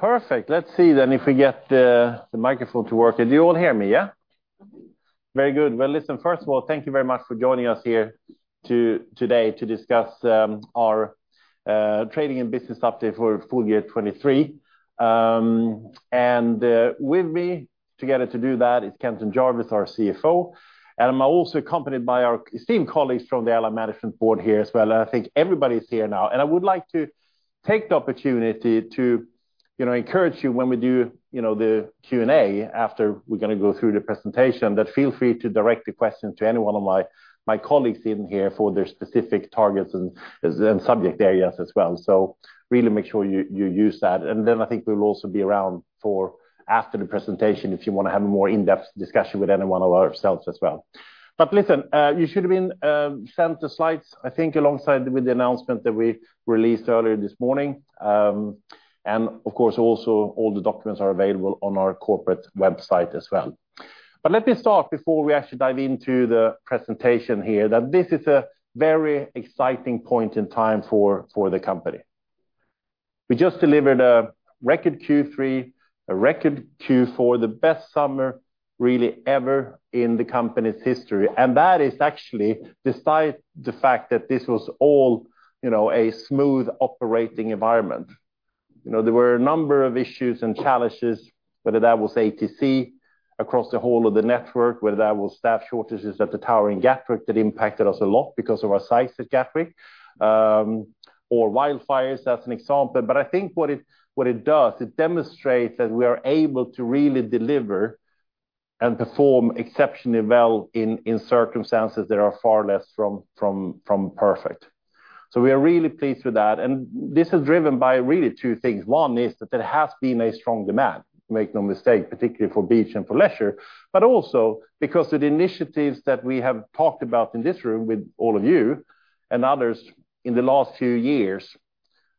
Perfect! Let's see then if we get the microphone to work. Do you all hear me, yeah? Very good. Well, listen, first of all, thank you very much for joining us here today to discuss our trading and business update for full year 2023. With me together to do that is Kenton Jarvis, our CFO, and I'm also accompanied by our esteemed colleagues from the Airline Management Board here as well. I think everybody is here now. I would like to take the opportunity to, you know, encourage you when we do, you know, the Q&A, after we're gonna go through the presentation, that feel free to direct the question to any one of my colleagues in here for their specific targets and subject areas as well. Really make sure you use that. I think we'll also be around after the presentation if you wanna have a more in-depth discussion with any one of ourselves as well. Listen, you should have been sent the slides, I think, alongside the announcement that we released earlier this morning. And of course, also all the documents are available on our corporate website as well. Let me start before we actually dive into the presentation here, that this is a very exciting point in time for the company. We just delivered a record Q3, a record Q4, the best summer really ever in the company's history, and that is actually despite the fact that this was all, you know, a smooth operating environment. You know, there were a number of issues and challenges, whether that was ATC across the whole of the network, whether that was staff shortages at the tower in Gatwick, that impacted us a lot because of our size at Gatwick, or wildfires as an example. But I think what it, what it does, it demonstrates that we are able to really deliver and perform exceptionally well in circumstances that are far less from perfect. So we are really pleased with that, and this is driven by really two things. One is that there has been a strong demand, make no mistake, particularly for beach and for leisure. But also because of the initiatives that we have talked about in this room with all of you and others in the last few years,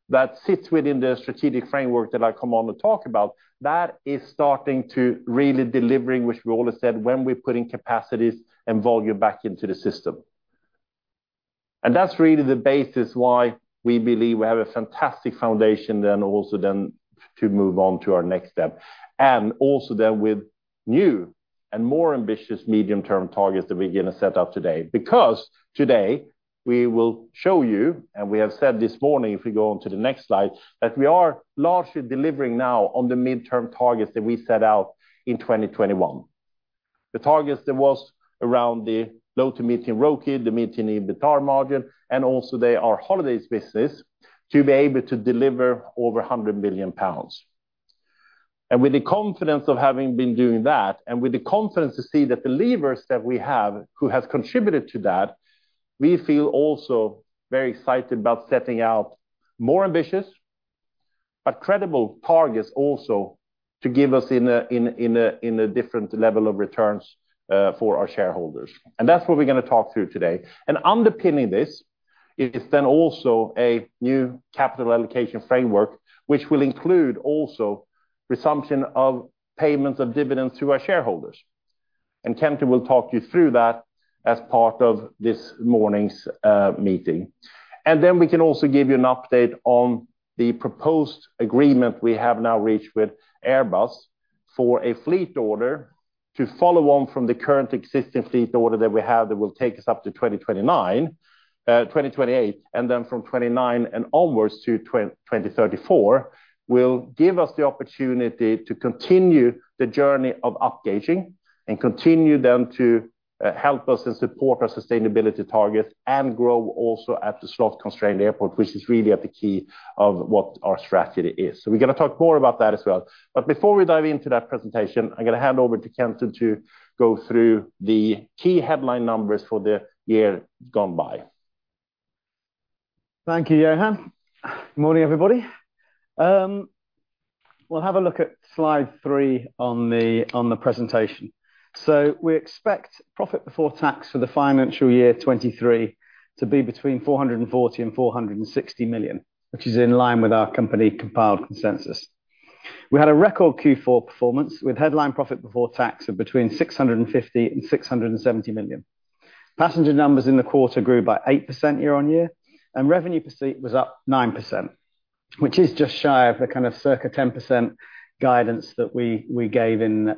that sits within the strategic framework that I come on to talk about, that is starting to really delivering, which we all have said, when we're putting capacities and volume back into the system. And that's really the basis why we believe we have a fantastic foundation then also then to move on to our next step. And also then with new and more ambitious medium-term targets that we're gonna set up today. Because today, we will show you, and we have said this morning, if we go on to the next slide, that we are largely delivering now on the midterm targets that we set out in 2021. The targets that was around the low to medium ROCE, the medium EBITA margin, and also their holidays business, to be able to deliver over 100 million pounds. With the confidence of having been doing that, and with the confidence to see the believers that we have, who have contributed to that, we feel also very excited about setting out more ambitious, but credible targets also to give us a different level of returns for our shareholders. That's what we're gonna talk through today. Underpinning this is then also a new capital allocation framework, which will include also resumption of payments of dividends to our shareholders. Kenton will talk you through that as part of this morning's meeting. And then we can also give you an update on the proposed agreement we have now reached with Airbus for a fleet order to follow on from the current existing fleet order that we have that will take us up to 2029, 2028, and then from 2029 and onwards to 2034, will give us the opportunity to continue the journey of upgauging and continue then to help us and support our sustainability targets and grow also at the slot-constrained airport, which is really at the key of what our strategy is. So we're gonna talk more about that as well. But before we dive into that presentation, I'm gonna hand over to Kenton to go through the key headline numbers for the year gone by. Thank you, Johan. Morning, everybody. We'll have a look at slide three on the presentation. So we expect profit before tax for the financial year 2023 to be between 440 million and 460 million, which is in line with our company-compiled consensus. We had a record Q4 performance, with headline profit before tax of between 650 million and 670 million. Passenger numbers in the quarter grew by 8% year-on-year, and revenue per seat was up 9%, which is just shy of the kind of circa 10% guidance that we gave in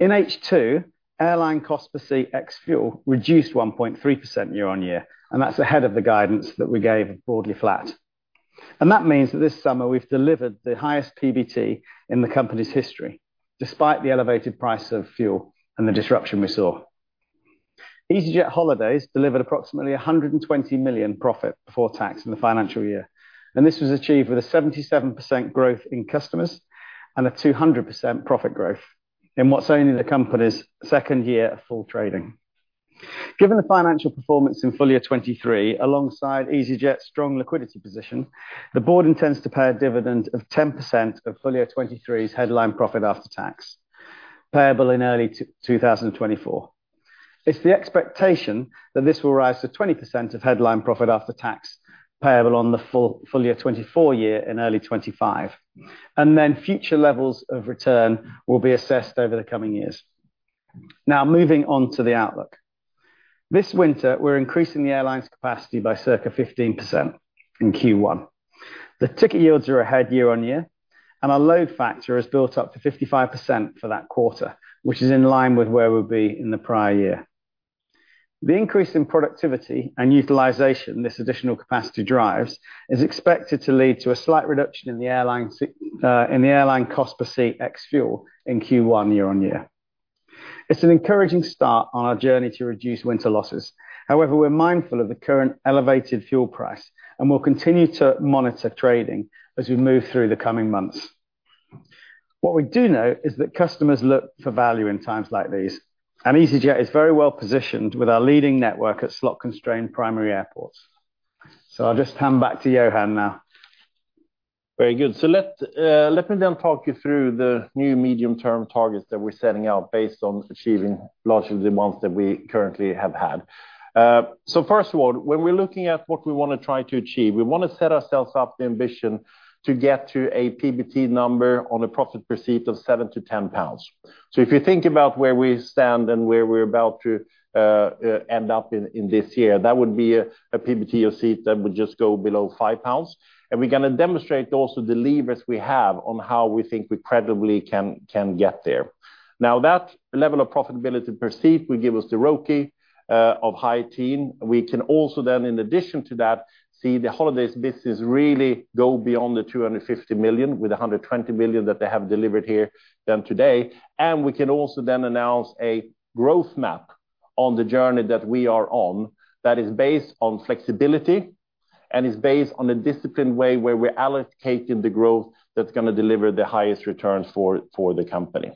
July. In H2, airline cost per seat ex fuel reduced 1.3% year-on-year, and that's ahead of the guidance that we gave broadly flat. That means that this summer, we've delivered the highest PBT in the company's history, despite the elevated price of fuel and the disruption we saw. easyJet Holidays delivered approximately 120 million profit before tax in the financial year, and this was achieved with a 77% growth in customers and a 200% profit growth in what's only the company's second year of full trading. Given the financial performance in full year 2023, alongside easyJet's strong liquidity position, the board intends to pay a dividend of 10% of full year 2023's headline profit after tax, payable in early 2024. It's the expectation that this will rise to 20% of headline profit after tax, payable on the full year 2024 in early 2025. And then future levels of return will be assessed over the coming years. Now moving on to the outlook. This winter, we're increasing the airline's capacity by circa 15% in Q1. The ticket yields are ahead year-on-year, and our load factor has built up to 55% for that quarter, which is in line with where we'll be in the prior year. The increase in productivity and utilization, this additional capacity drives, is expected to lead to a slight reduction in the airline cost per seat ex-fuel in Q1 year-on-year. It's an encouraging start on our journey to reduce winter losses. However, we're mindful of the current elevated fuel price, and we'll continue to monitor trading as we move through the coming months. What we do know is that customers look for value in times like these, and easyJet is very well positioned with our leading network at slot-constrained primary airports. So I'll just hand back to Johan now. Very good. So let me then talk you through the new medium-term targets that we're setting out based on achieving largely the ones that we currently have had. So first of all, when we're looking at what we wanna try to achieve, we wanna set ourselves up the ambition to get to a PBT number on a profit per seat of 7-10 pounds. So if you think about where we stand and where we're about to end up in this year, that would be a PBT of seat that would just go below 5 pounds. And we're gonna demonstrate also the levers we have on how we think we credibly can get there. Now, that level of profitability per seat will give us the ROIC of high teens. We can also then, in addition to that, see the holidays business really go beyond the 250 million, with a 120 million that they have delivered here than today. And we can also then announce a growth map on the journey that we are on, that is based on flexibility, and is based on a disciplined way where we're allocating the growth that's gonna deliver the highest returns for, for the company.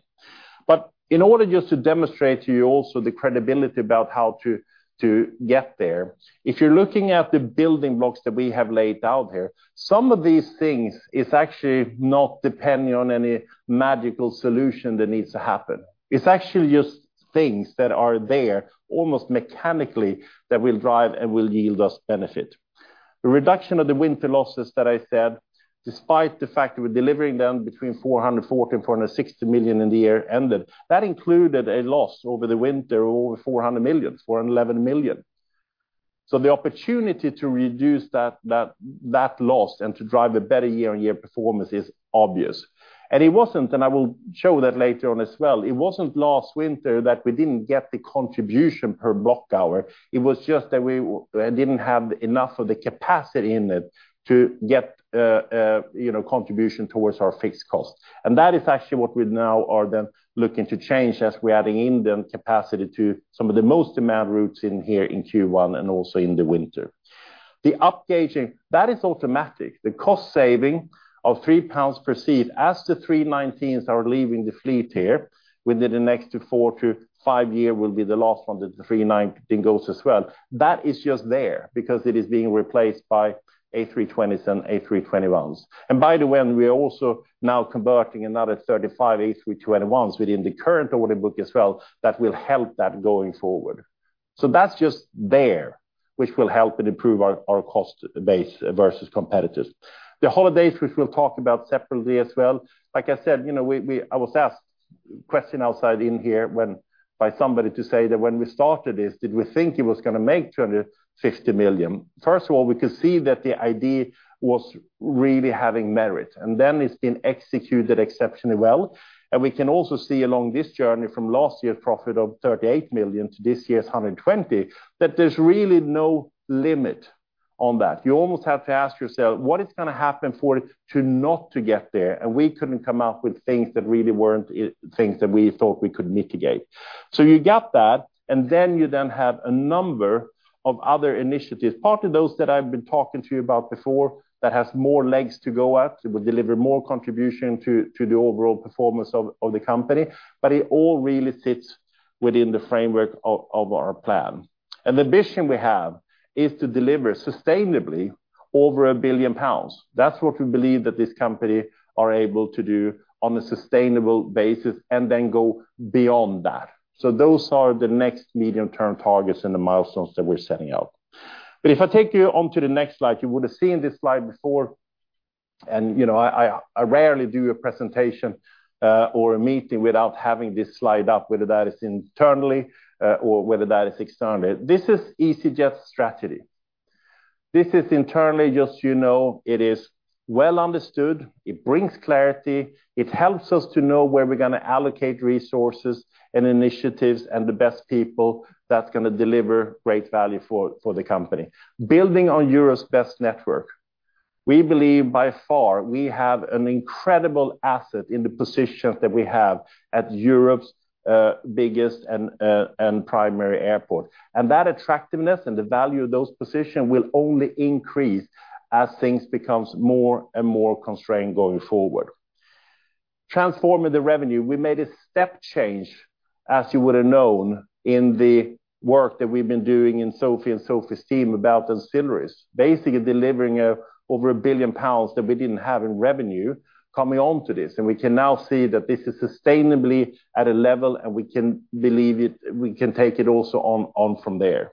But in order just to demonstrate to you also the credibility about how to, to get there, if you're looking at the building blocks that we have laid out here, some of these things is actually not depending on any magical solution that needs to happen. It's actually just things that are there, almost mechanically, that will drive and will yield us benefit. The reduction of the winter losses that I said, despite the fact we're delivering them between 440 million-460 million in the year ended, that included a loss over the winter, over 400 million, 411 million. The opportunity to reduce that loss and to drive a better year-on-year performance is obvious. It wasn't, and I will show that later on as well, it wasn't last winter that we didn't get the contribution per block hour. It was just that we didn't have enough of the capacity in it to get, you know, contribution towards our fixed costs. That is actually what we now are then looking to change as we're adding in the capacity to some of the most demand routes in here in Q1 and also in the winter. The upgauging, that is automatic. The cost saving of 3 pounds per seat as the 319s are leaving the fleet here within the next 4-5 years will be the last one, that the 319 goes as well. That is just there because it is being replaced by A320s and A321s. And by the way, we are also now converting another 35 A321s within the current order book as well. That will help that going forward. So that's just there, which will help and improve our, our cost base versus competitors. The holidays, which we'll talk about separately as well, like I said, you know, we, we—I was asked question outside in here when—by somebody to say that when we started this, did we think it was gonna make 250 million? First of all, we could see that the idea was really having merit, and then it's been executed exceptionally well. And we can also see along this journey from last year's profit of 38 million to this year's 120 million, that there's really no limit on that. You almost have to ask yourself, what is gonna happen for it to not to get there? And we couldn't come up with things that really weren't things that we thought we could mitigate. So you got that, and then you then have a number of other initiatives, part of those that I've been talking to you about before, that has more legs to go at. It will deliver more contribution to, to the overall performance of, of the company, but it all really sits within the framework of, of our plan. The mission we have is to deliver sustainably over 1 billion pounds. That's what we believe that this company are able to do on a sustainable basis, and then go beyond that. Those are the next medium-term targets and the milestones that we're setting out. If I take you on to the next slide, you would have seen this slide before, and, you know, I rarely do a presentation or a meeting without having this slide up, whether that is internally or whether that is externally. This is easyJet's strategy. This is internally, just so you know, it is well understood, it brings clarity, it helps us to know where we're gonna allocate resources and initiatives, and the best people that's gonna deliver great value for the company. Building on Europe's best network, we believe by far, we have an incredible asset in the positions that we have at Europe's biggest and primary airport. And that attractiveness and the value of those positions will only increase as things becomes more and more constrained going forward. Transforming the revenue, we made a step change, as you would have known, in the work that we've been doing in Sophie and Sophie's team about ancillaries, basically delivering over 1 billion pounds that we didn't have in revenue coming on to this. And we can now see that this is sustainably at a level, and we can believe it, we can take it also on, on from there.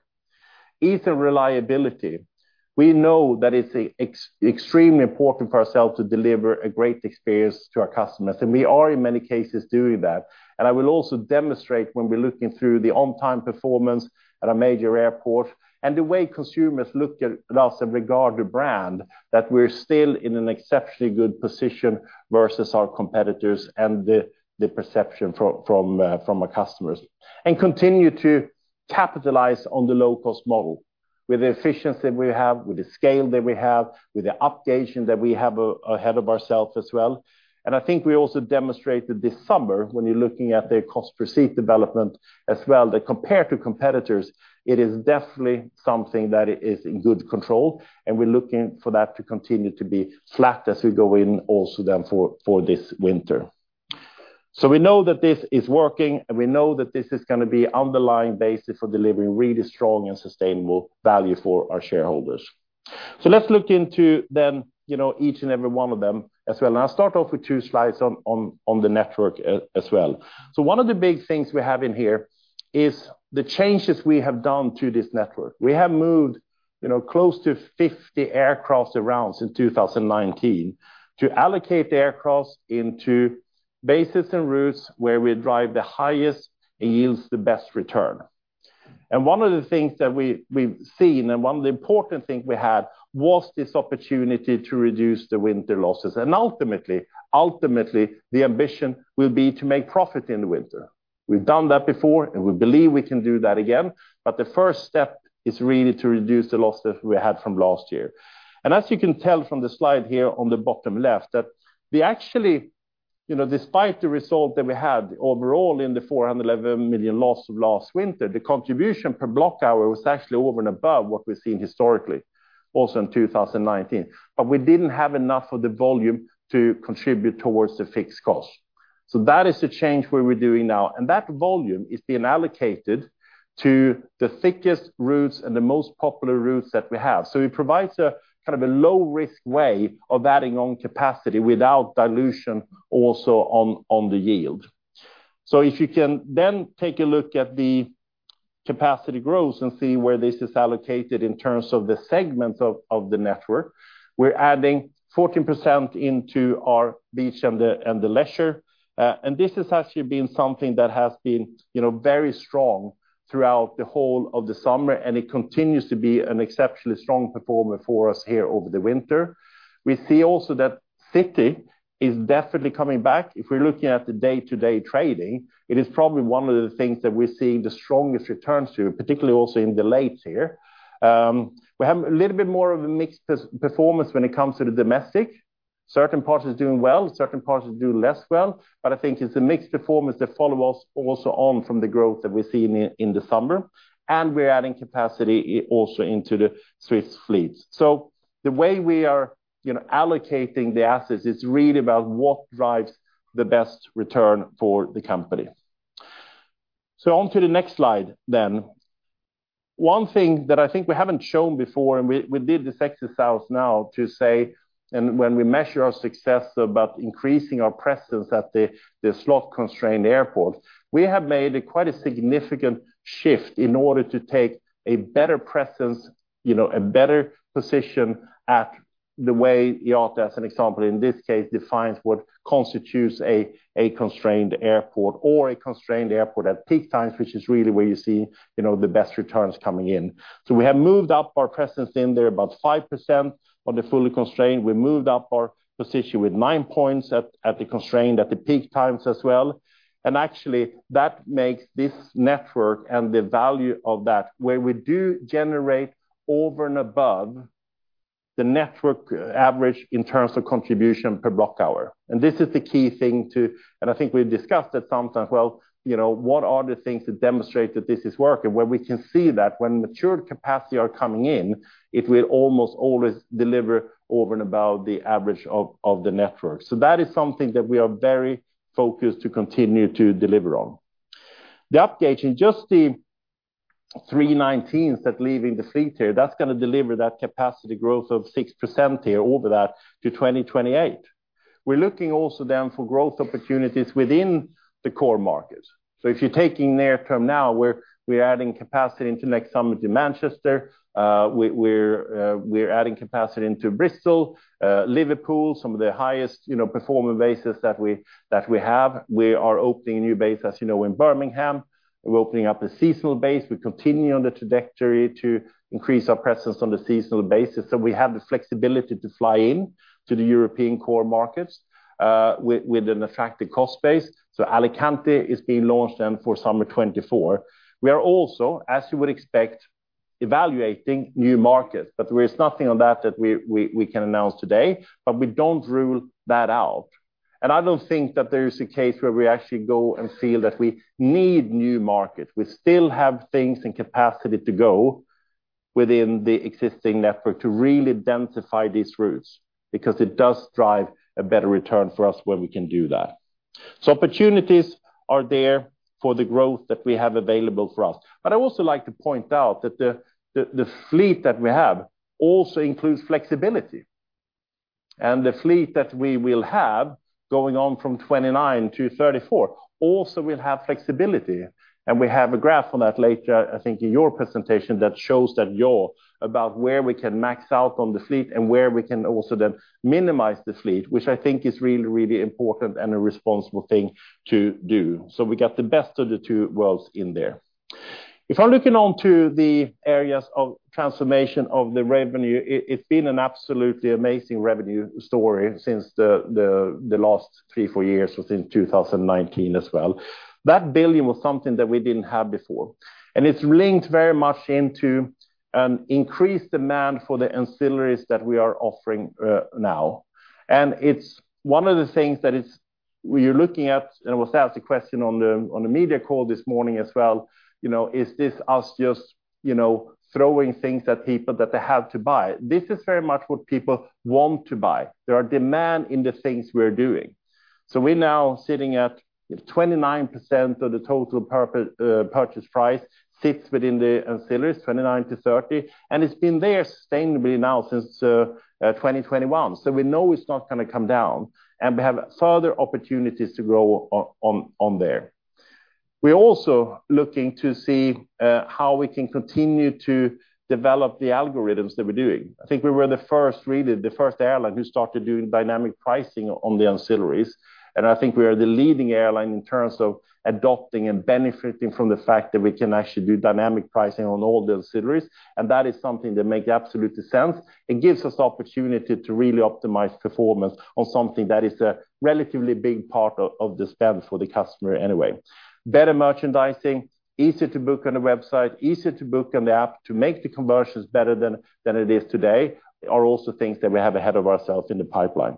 Reliability is extremely important for ourselves to deliver a great experience to our customers, and we are, in many cases, doing that. I will also demonstrate when we're looking through the on-time performance at a major airport, and the way consumers look at us and regard the brand, that we're still in an exceptionally good position versus our competitors and the perception from our customers. Continue to capitalize on the low-cost model with the efficiency we have, with the scale that we have, with the updation that we have ahead of ourselves as well. I think we also demonstrated this summer, when you're looking at the cost per seat development as well, that compared to competitors, it is definitely something that is in good control, and we're looking for that to continue to be flat as we go in also then for this winter. We know that this is working, and we know that this is gonna be underlying basis for delivering really strong and sustainable value for our shareholders. Let's look into then, you know, each and every one of them as well. I'll start off with two slides on the network as well. One of the big things we have in here is the changes we have done to this network. We have moved, you know, close to 50 aircraft around since 2019 to allocate the aircraft into bases and routes where we drive the highest yields, the best return. One of the things that we've seen, and one of the important things we had, was this opportunity to reduce the winter losses, and ultimately, ultimately, the ambition will be to make profit in the winter. We've done that before, and we believe we can do that again, but the first step is really to reduce the losses we had from last year. As you can tell from the slide here on the bottom left, that we actually, you know, despite the result that we had overall in the 411 million loss of last winter, the contribution per block hour was actually over and above what we've seen historically, also in 2019. But we didn't have enough of the volume to contribute towards the fixed cost. So that is the change where we're doing now, and that volume is being allocated to the thickest routes and the most popular routes that we have. So it provides a, kind of a low-risk way of adding on capacity without dilution also on, on the yield. If you can then take a look at the capacity growth and see where this is allocated in terms of the segments of the network, we're adding 14% into our beach and the leisure. And this has actually been something that has been, you know, very strong throughout the whole of the summer, and it continues to be an exceptionally strong performer for us here over the winter. We see also that city is definitely coming back. If we're looking at the day-to-day trading, it is probably one of the things that we're seeing the strongest returns to, particularly also in the late here. We have a little bit more of a mixed performance when it comes to the domestic. Certain parts is doing well, certain parts is doing less well, but I think it's a mixed performance that follow us also on from the growth that we've seen in the summer, and we're adding capacity also into the Swiss fleet. So the way we are, you know, allocating the assets is really about what drives the best return for the company. So on to the next slide, then. One thing that I think we haven't shown before, and we did this exercise now to say, when we measure our success about increasing our presence at the slot-constrained airport, we have made quite a significant shift in order to take a better presence, you know, a better position at the way IATA, as an example in this case, defines what constitutes a constrained airport or a constrained airport at peak times, which is really where you see, you know, the best returns coming in. We have moved up our presence in there, about 5% on the fully constrained. We moved up our position with 9 points at the constrained, at the peak times as well. Actually, that makes this network and the value of that, where we do generate over and above the network average in terms of contribution per block hour. And this is the key thing to—and I think we've discussed that sometimes, well, you know, what are the things that demonstrate that this is working? Where we can see that when matured capacity are coming in, it will almost always deliver over and above the average of, of the network. So that is something that we are very focused to continue to deliver on. The upgauging, just the three A319s that leaving the fleet here, that's gonna deliver that capacity growth of 6% here over that to 2028. We're looking also then for growth opportunities within the core market. So if you're taking near term now, we're adding capacity into next summer to Manchester. We're adding capacity into Bristol, Liverpool, some of the highest, you know, performing bases that we have. We are opening a new base, as you know, in Birmingham. We're opening up a seasonal base. We continue on the trajectory to increase our presence on the seasonal basis, so we have the flexibility to fly in to the European core markets, with an attractive cost base. Alicante is being launched then for summer 2024. We are also, as you would expect, evaluating new markets, but there is nothing on that, that we can announce today, but we don't rule that out. I don't think that there is a case where we actually go and feel that we need new markets. We still have things and capacity to go within the existing network to really densify these routes, because it does drive a better return for us when we can do that. So opportunities are there for the growth that we have available for us. But I'd also like to point out that the fleet that we have also includes flexibility. And the fleet that we will have, going on from 29 to 34, also will have flexibility, and we have a graph on that later, I think, in your presentation that shows that you're about where we can max out on the fleet and where we can also then minimize the fleet, which I think is really, really important and a responsible thing to do. So we get the best of the two worlds in there. If I'm looking on to the areas of transformation of the revenue, it's been an absolutely amazing revenue story since the last three, four years, within 2019 as well. That 1 billion was something that we didn't have before, and it's linked very much into an increased demand for the ancillaries that we are offering now. It's one of the things that we are looking at, and it was asked a question on the media call this morning as well, you know, is this us just, you know, throwing things at people that they have to buy? This is very much what people want to buy. There are demand in the things we're doing. So we're now sitting at 29% of the total purchase price that sits within the ancillaries, 29%-30%, and it's been there sustainably now since 2021. So we know it's not gonna come down, and we have further opportunities to grow on there. We're also looking to see how we can continue to develop the algorithms that we're doing. I think we were the first, really, the first airline who started doing dynamic pricing on the ancillaries, and I think we are the leading airline in terms of adopting and benefiting from the fact that we can actually do dynamic pricing on all the ancillaries, and that is something that makes absolutely sense. It gives us opportunity to really optimize performance on something that is a relatively big part of the spend for the customer anyway. Better merchandising, easier to book on the website, easier to book on the app, to make the conversions better than, than it is today, are also things that we have ahead of ourselves in the pipeline.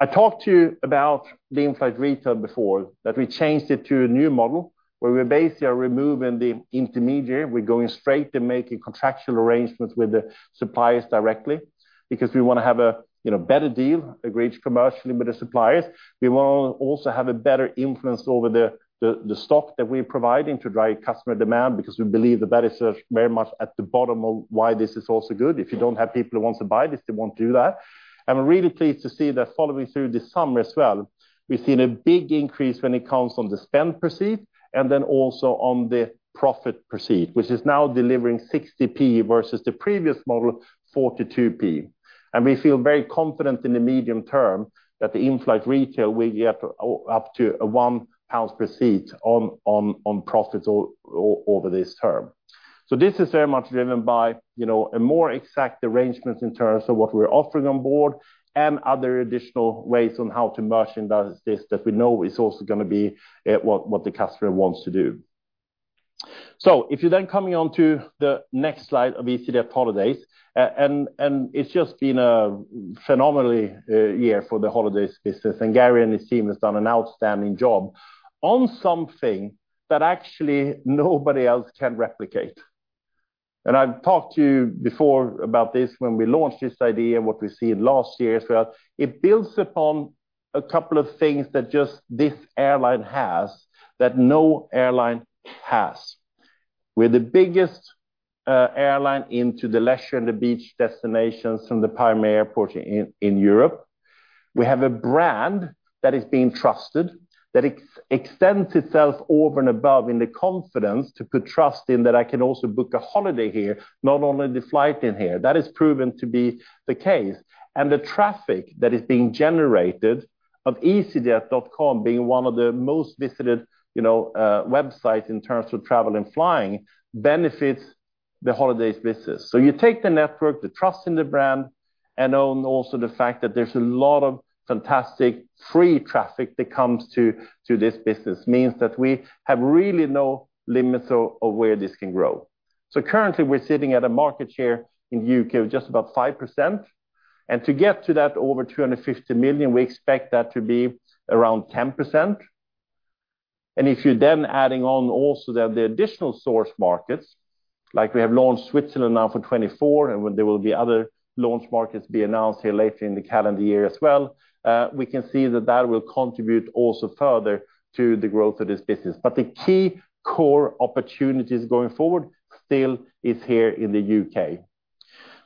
I talked to you about the in-flight retail before, that we changed it to a new model, where we basically are removing the intermediary. We're going straight to making contractual arrangements with the suppliers directly, because we wanna have a, you know, better deal agreed commercially with the suppliers. We wanna also have a better influence over the, the, the stock that we're providing to drive customer demand, because we believe that that is, very much at the bottom of why this is also good. If you don't have people who want to buy this, they won't do that. We're really pleased to see that following through this summer as well, we've seen a big increase when it comes on the spend per seat, and then also on the profit per seat, which is now delivering 0.60 versus the previous model, 0.42. We feel very confident in the medium term that the in-flight retail will get up to 1 pounds per seat on profits over this term. This is very much driven by, you know, a more exact arrangements in terms of what we're offering on board, and other additional ways on how to merchandise this, that we know is also gonna be, you know, what the customer wants to do. If you're then coming on to the next slide of easyJet holidays, and it's just been a phenomenally year for the holidays business, and Garry and his team has done an outstanding job on something that actually nobody else can replicate. I’ve talked to you before about this when we launched this idea, and what we seen last year as well. It builds upon a couple of things that just this airline has, that no airline has. We're the biggest airline into the leisure and the beach destinations from the primary airport in Europe. We have a brand that is being trusted, that extends itself over and above in the confidence to put trust in that I can also book a holiday here, not only the flight in here. That is proven to be the case. And the traffic that is being generated of easyJet.com being one of the most visited, you know, websites in terms of travel and flying, benefits the holidays business. So you take the network, the trust in the brand, and on also the fact that there's a lot of fantastic free traffic that comes to, to this business, means that we have really no limits of, of where this can grow. So currently, we're sitting at a market share in the U.K. of just about 5%, and to get to that over 250 million, we expect that to be around 10%. If you're then adding on also the additional source markets, like we have launched Switzerland now for 2024, and there will be other launch markets be announced here later in the calendar year as well, we can see that that will contribute also further to the growth of this business. But the key core opportunities going forward still is here in the U.K..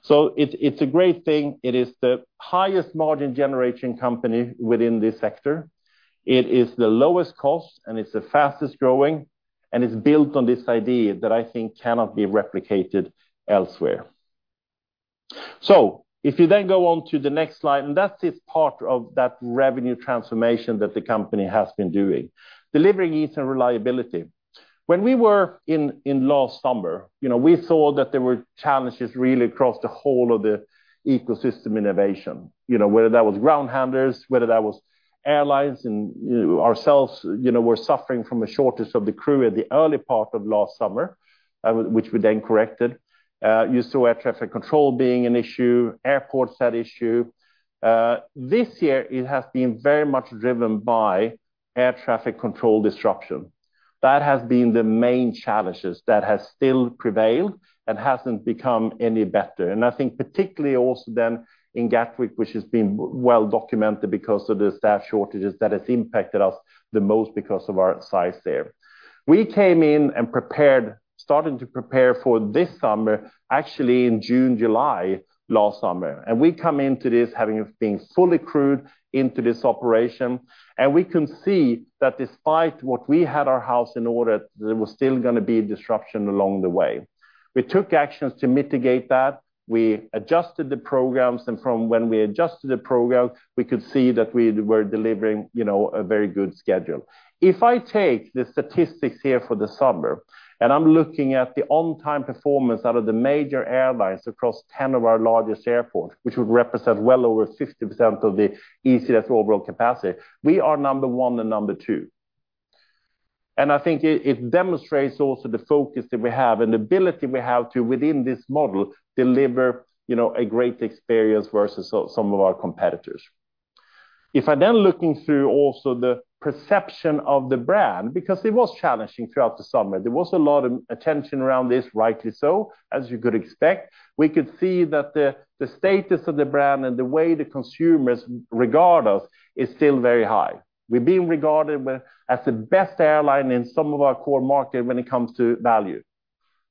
So it's, it's a great thing. It is the highest margin-generation company within this sector. It is the lowest cost, and it's the fastest-growing, and it's built on this idea that I think cannot be replicated elsewhere. So if you then go on to the next slide, and that's this part of that revenue transformation that the company has been doing, delivering ease and reliability. When we were in, in last summer, you know, we saw that there were challenges really across the whole of the ecosystem innovation. You know, whether that was ground handlers, whether that was airlines and, you know, ourselves, you know, were suffering from a shortage of the crew at the early part of last summer, which we then corrected. You saw air traffic control being an issue, airports had issue. This year it has been very much driven by air traffic control disruption. That has been the main challenges that has still prevailed and hasn't become any better. I think particularly also then in Gatwick, which has been well documented because of the staff shortages that has impacted us the most because of our size there. We came in and started to prepare for this summer, actually in June, July last summer, and we come into this having been fully crewed into this operation, and we can see that despite what we had our house in order, there was still gonna be disruption along the way. We took actions to mitigate that. We adjusted the programs, and from when we adjusted the program, we could see that we were delivering, you know, a very good schedule. If I take the statistics here for the summer, and I'm looking at the on-time performance out of the major airlines across 10 of our largest airports, which would represent well over 50% of easyJet's overall capacity, we are number one and number two. And I think it demonstrates also the focus that we have and the ability we have to, within this model, deliver, you know, a great experience versus some of our competitors. If I then looking through also the perception of the brand, because it was challenging throughout the summer, there was a lot of attention around this, rightly so, as you could expect. We could see that the status of the brand and the way the consumers regard us is still very high. We're being regarded as the best airline in some of our core market when it comes to value,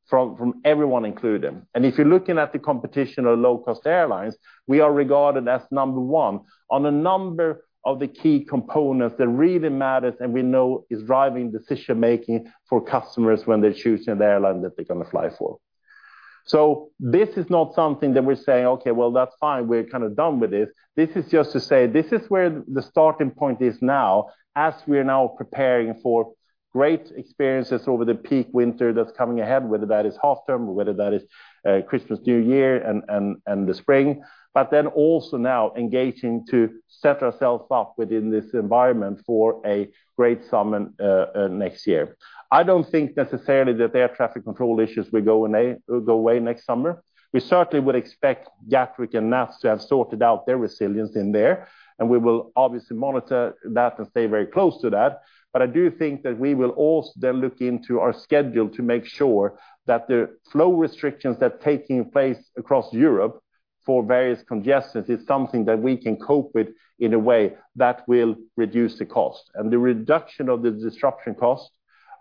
from everyone including. And if you're looking at the competition of low-cost airlines, we are regarded as number one on a number of the key components that really matters, and we know is driving decision-making for customers when they're choosing the airline that they're gonna fly for. So this is not something that we're saying, "Okay, well, that's fine. We're kind of done with this." This is just to say, this is where the starting point is now, as we are now preparing for great experiences over the peak winter that's coming ahead, whether that is half-term, whether that is Christmas, New Year, and, and, and the spring, but then also now engaging to set ourselves up within this environment for a great summer next year. I don't think necessarily that the air traffic control issues will go away, go away next summer. We certainly would expect Gatwick and NATS to have sorted out their resilience in there, and we will obviously monitor that and stay very close to that. But I do think that we will also then look into our schedule to make sure that the flow restrictions that taking place across Europe for various congestions is something that we can cope with in a way that will reduce the cost. And the reduction of the disruption cost,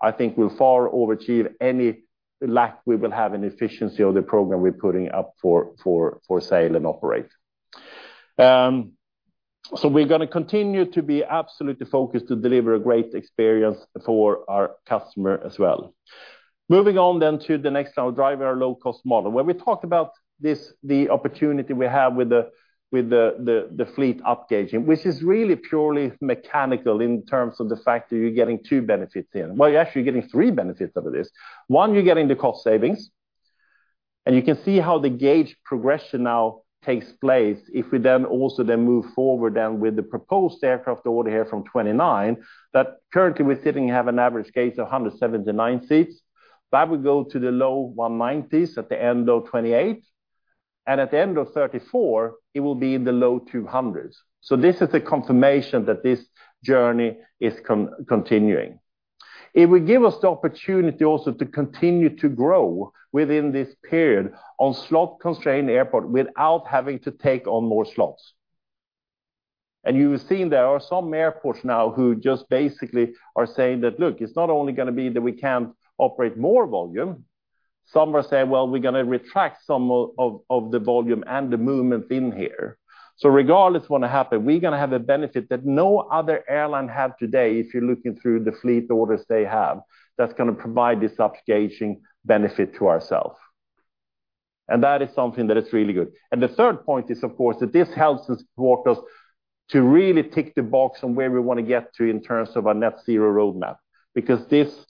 I think, will far overachieve any lack we will have in efficiency of the program we're putting up for sale and operate. So we're gonna continue to be absolutely focused to deliver a great experience for our customer as well. Moving on to the next, our driver, our low-cost model, where we talked about this, the opportunity we have with the fleet upgauging, which is really purely mechanical in terms of the fact that you're getting two benefits in. Well, you're actually getting three benefits out of this. One, you're getting the cost savings, and you can see how the gauge progression now takes place. If we then also move forward with the proposed aircraft order here from 2029, that currently we're sitting have an average gauge of 179 seats. That would go to the low 190s at the end of 2028, and at the end of 2034, it will be in the low 200s. This is a confirmation that this journey is continuing. It will give us the opportunity also to continue to grow within this period on slot-constrained airport without having to take on more slots. And you've seen there are some airports now who just basically are saying that, "Look, it's not only gonna be that we can't operate more volume." Some are saying, "Well, we're gonna retract some of the volume and the movement in here." So regardless of what happen, we're gonna have a benefit that no other airline have today, if you're looking through the fleet orders they have, that's gonna provide this upgauging benefit to ourselves. And that is something that is really good. The third point is, of course, that this helps to support us to really tick the box on where we wanna get to in terms of our net zero roadmap, because this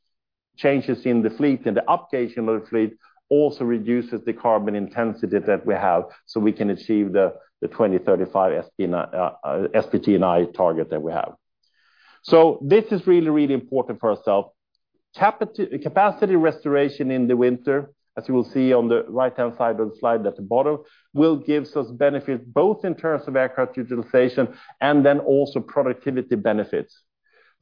changes in the fleet and the upgauge of the fleet also reduces the carbon intensity that we have, so we can achieve the 2035 SBTi target that we have. This is really, really important for ourself. Capacity restoration in the winter, as you will see on the right-hand side of the slide at the bottom, will give us benefit both in terms of aircraft utilization and then also productivity benefits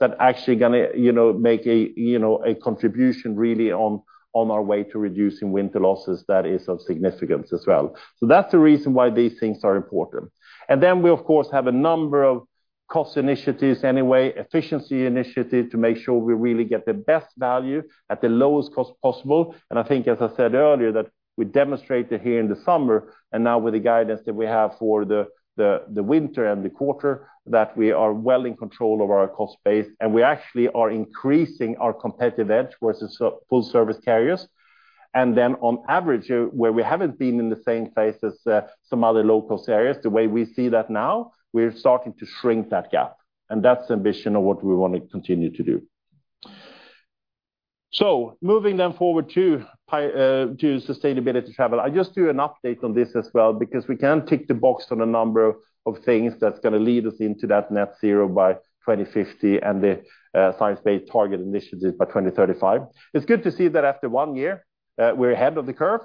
that actually gonna, you know, make a, you know, a contribution really on, on our way to reducing winter losses that is of significance as well. That's the reason why these things are important. And then we, of course, have a number of cost initiatives anyway, efficiency initiative, to make sure we really get the best value at the lowest cost possible. And I think, as I said earlier, that we demonstrated here in the summer, and now with the guidance that we have for the winter and the quarter, that we are well in control of our cost base, and we actually are increasing our competitive edge versus full service carriers. And then on average, where we haven't been in the same place as some other low-cost areas, the way we see that now, we're starting to shrink that gap, and that's the ambition of what we want to continue to do. So moving then forward to sustainability travel. I just do an update on this as well, because we can tick the box on a number of things that's gonna lead us into that net zero by 2050 and the science-based target initiatives by 2035. It's good to see that after one year, we're ahead of the curve.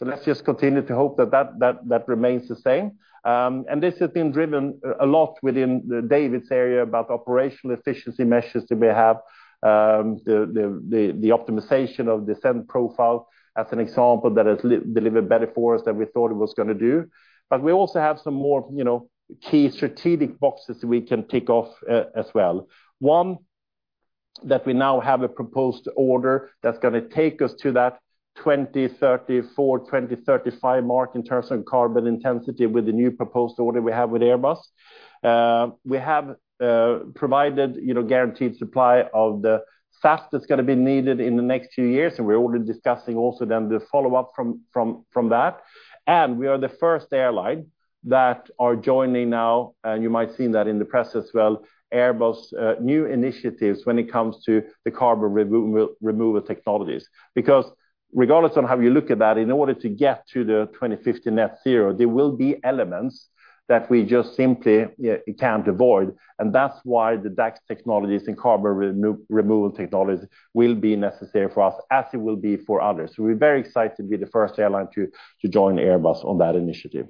Let's just continue to hope that, that remains the same. This has been driven a lot within David's area about operational efficiency measures that we have, the optimization of the descent profile as an example, that has delivered better for us than we thought it was gonna do. We also have some more, you know, key strategic boxes we can tick off as well. One, that we now have a proposed order that's gonna take us to that 2034, 2035 mark in terms of carbon intensity with the new proposed order we have with Airbus. We have provided, you know, guaranteed supply of the SAF that's gonna be needed in the next few years, and we're already discussing also then the follow-up from that. We are the first airline that are joining now, and you might have seen that in the press as well, Airbus new initiatives when it comes to the carbon removal technologies. Because regardless on how you look at that, in order to get to the 2050 net zero, there will be elements that we just simply, yeah, can't avoid, and that's why the DACCS technologies and carbon removal technologies will be necessary for us, as it will be for others. So we're very excited to be the first airline to join Airbus on that initiative.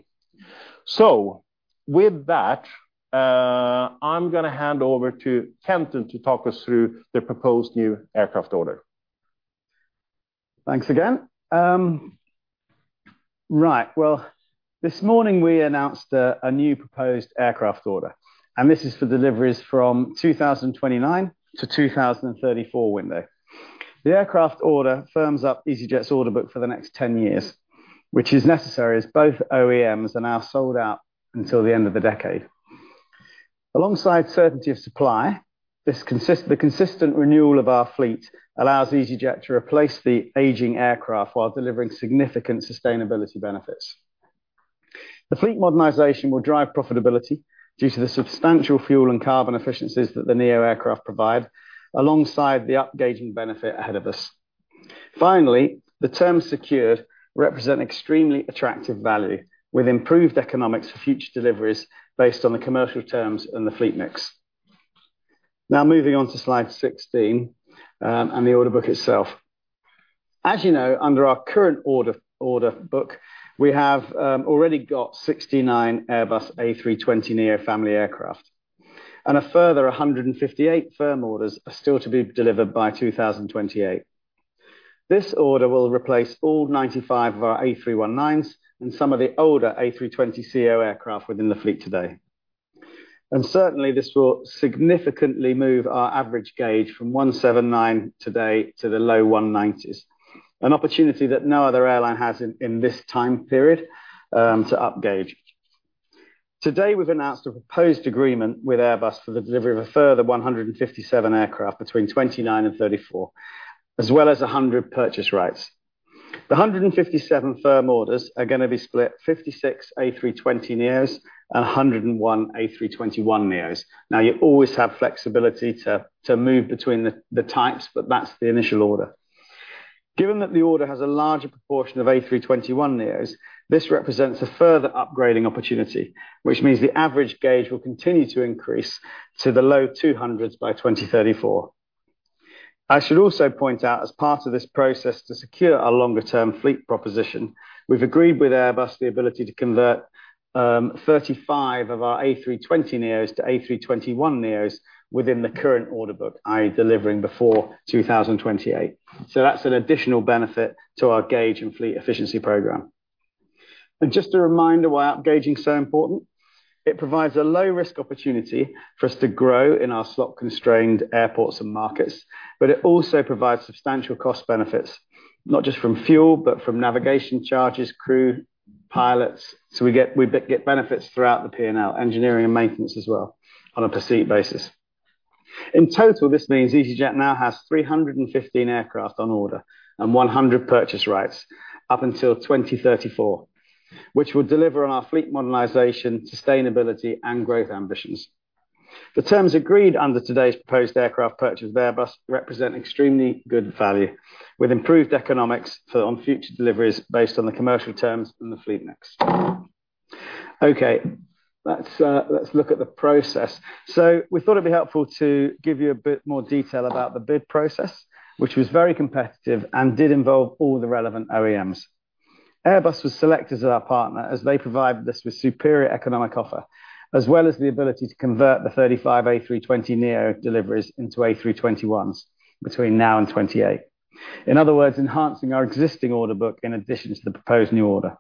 So with that, I'm gonna hand over to Kenton to talk us through the proposed new aircraft order. Thanks again. Right. Well, this morning we announced a new proposed aircraft order, and this is for deliveries from 2029 to 2034 window. The aircraft order firms up easyJet's order book for the next 10 years, which is necessary as both OEMs are now sold out until the end of the decade. Alongside certainty of supply, the consistent renewal of our fleet allows easyJet to replace the aging aircraft while delivering significant sustainability benefits. The fleet modernization will drive profitability due to the substantial fuel and carbon efficiencies that the neo aircraft provide, alongside the upgauging benefit ahead of us. Finally, the terms secured represent extremely attractive value, with improved economics for future deliveries based on the commercial terms and the fleet mix. Now moving on to slide 16, and the order book itself. As you know, under our current order, order book, we have already got 69 Airbus A320neo family aircraft, and a further 158 firm orders are still to be delivered by 2028. This order will replace all 95 of our A319s and some of the older A320ceo aircraft within the fleet today. And certainly, this will significantly move our average gauge from 179 today to the low 190s. An opportunity that no other airline has in this time period to upgauge. Today, we've announced a proposed agreement with Airbus for the delivery of a further 157 aircraft between 2029 and 2034, as well as 100 purchase rights. The 157 firm orders are gonna be split 56 A320neos and 101 A321neos. Now, you always have flexibility to, to move between the, the types, but that's the initial order. Given that the order has a larger proportion of A321neos, this represents a further upgrading opportunity, which means the average gauge will continue to increase to the low 200s by 2034. I should also point out, as part of this process to secure our longer-term fleet proposition, we've agreed with Airbus the ability to convert 35 of our A320neos to A321neos within the current order book, i.e., delivering before 2028. So that's an additional benefit to our gauge and fleet efficiency program. Just a reminder why upgauging is so important. It provides a low-risk opportunity for us to grow in our slot-constrained airports and markets, but it also provides substantial cost benefits, not just from fuel, but from navigation charges, crew, pilots. We get benefits throughout the P&L, engineering and maintenance as well, on a per seat basis. In total, this means easyJet now has 315 aircraft on order and 100 purchase rights up until 2034, which will deliver on our fleet modernization, sustainability, and growth ambitions. The terms agreed under today's proposed aircraft purchase with Airbus represent extremely good value, with improved economics for future deliveries based on the commercial terms and the fleet mix. Okay, let's look at the process. We thought it'd be helpful to give you a bit more detail about the bid process, which was very competitive and did involve all the relevant OEMs. Airbus was selected as our partner, as they provided us with superior economic offer, as well as the ability to convert the 35 A320neo deliveries into A321s between now and 2028. In other words, enhancing our existing order book in addition to the proposed new order.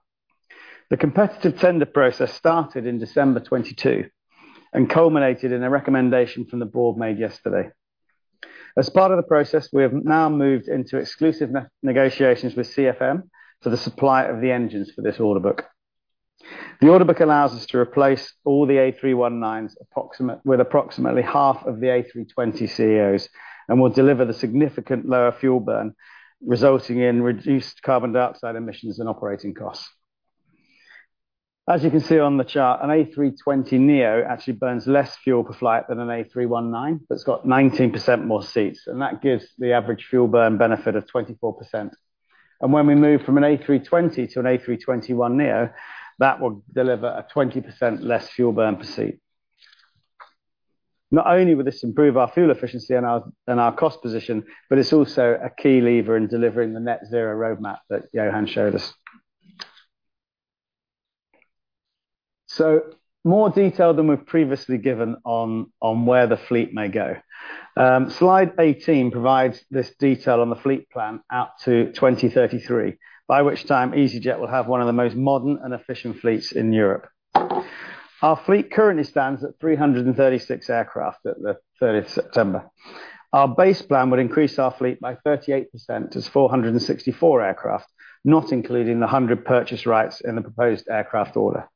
The competitive tender process started in December 2022 and culminated in a recommendation from the board made yesterday. As part of the process, we have now moved into exclusive negotiations with CFM for the supply of the engines for this order book. The order book allows us to replace all the A319s with approximately half of the A320ceos and will deliver the significant lower fuel burn, resulting in reduced carbon dioxide emissions and operating costs. As you can see on the chart, an A320neo actually burns less fuel per flight than an A319, but it's got 19% more seats, and that gives the average fuel burn benefit of 24%. And when we move from an A320 to an A321neo, that will deliver a 20% less fuel burn per seat. Not only will this improve our fuel efficiency and our cost position, but it's also a key lever in delivering the net zero roadmap that Johan showed us. More detail than we've previously given on where the fleet may go. Slide 18 provides this detail on the fleet plan out to 2033, by which time easyJet will have one of the most modern and efficient fleets in Europe. Our fleet currently stands at 336 aircraft at the 30th of September. Our base plan would increase our fleet by 38% to 464 aircraft, not including the 100 purchase rights in the proposed aircraft order.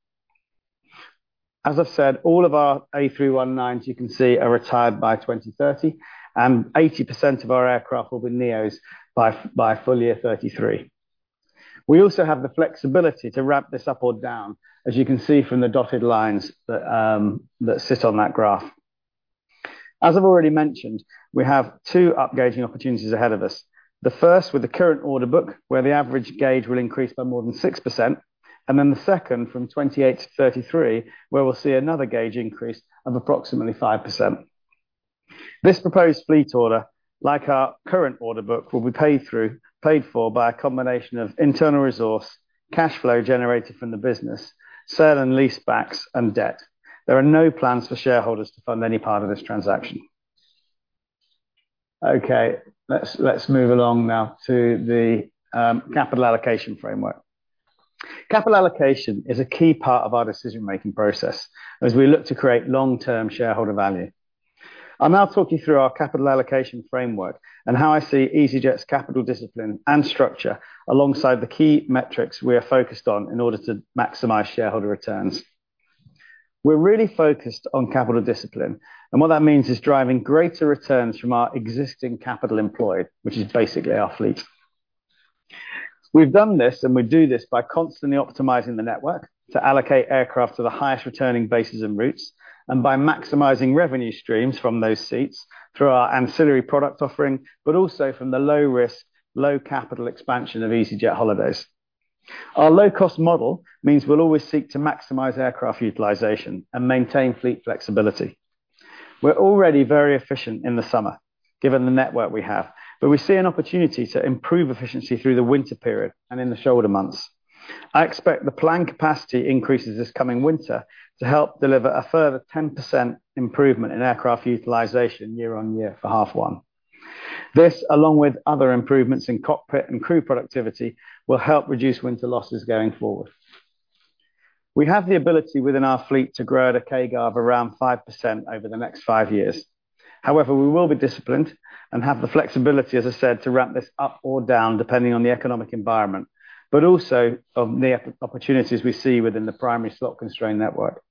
As I said, all of our A319s, you can see, are retired by 2030, and 80% of our aircraft will be NEOs by full year 2033. We also have the flexibility to ramp this up or down, as you can see from the dotted lines that sit on that graph. As I've already mentioned, we have two upgauging opportunities ahead of us. The first, with the current order book, where the average gauge will increase by more than 6%, and then the second, from 28-33, where we'll see another gauge increase of approximately 5%. This proposed fleet order, like our current order book, will be paid for by a combination of internal resource, cash flow generated from the business, sale and leasebacks, and debt. There are no plans for shareholders to fund any part of this transaction. Okay, let's move along now to the capital allocation framework. Capital allocation is a key part of our decision-making process as we look to create long-term shareholder value. I'll now talk you through our capital allocation framework, and how I see easyJet's capital discipline and structure, alongside the key metrics we are focused on in order to maximize shareholder returns. We're really focused on capital discipline, and what that means is driving greater returns from our existing capital employed, which is basically our fleet. We've done this, and we do this by constantly optimizing the network to allocate aircraft to the highest returning bases and routes, and by maximizing revenue streams from those seats through our ancillary product offering, but also from the low risk, low capital expansion of easyJet holidays. Our low-cost model means we'll always seek to maximize aircraft utilization and maintain fleet flexibility. We're already very efficient in the summer, given the network we have, but we see an opportunity to improve efficiency through the winter period and in the shoulder months. I expect the planned capacity increases this coming winter to help deliver a further 10% improvement in aircraft utilization year-on-year for H1. This, along with other improvements in cockpit and crew productivity, will help reduce winter losses going forward. We have the ability within our fleet to grow at a CAGR of around 5% over the next 5 years. However, we will be disciplined and have the flexibility, as I said, to ramp this up or down, depending on the economic environment, but also of the opportunities we see within the primary slot constraint network.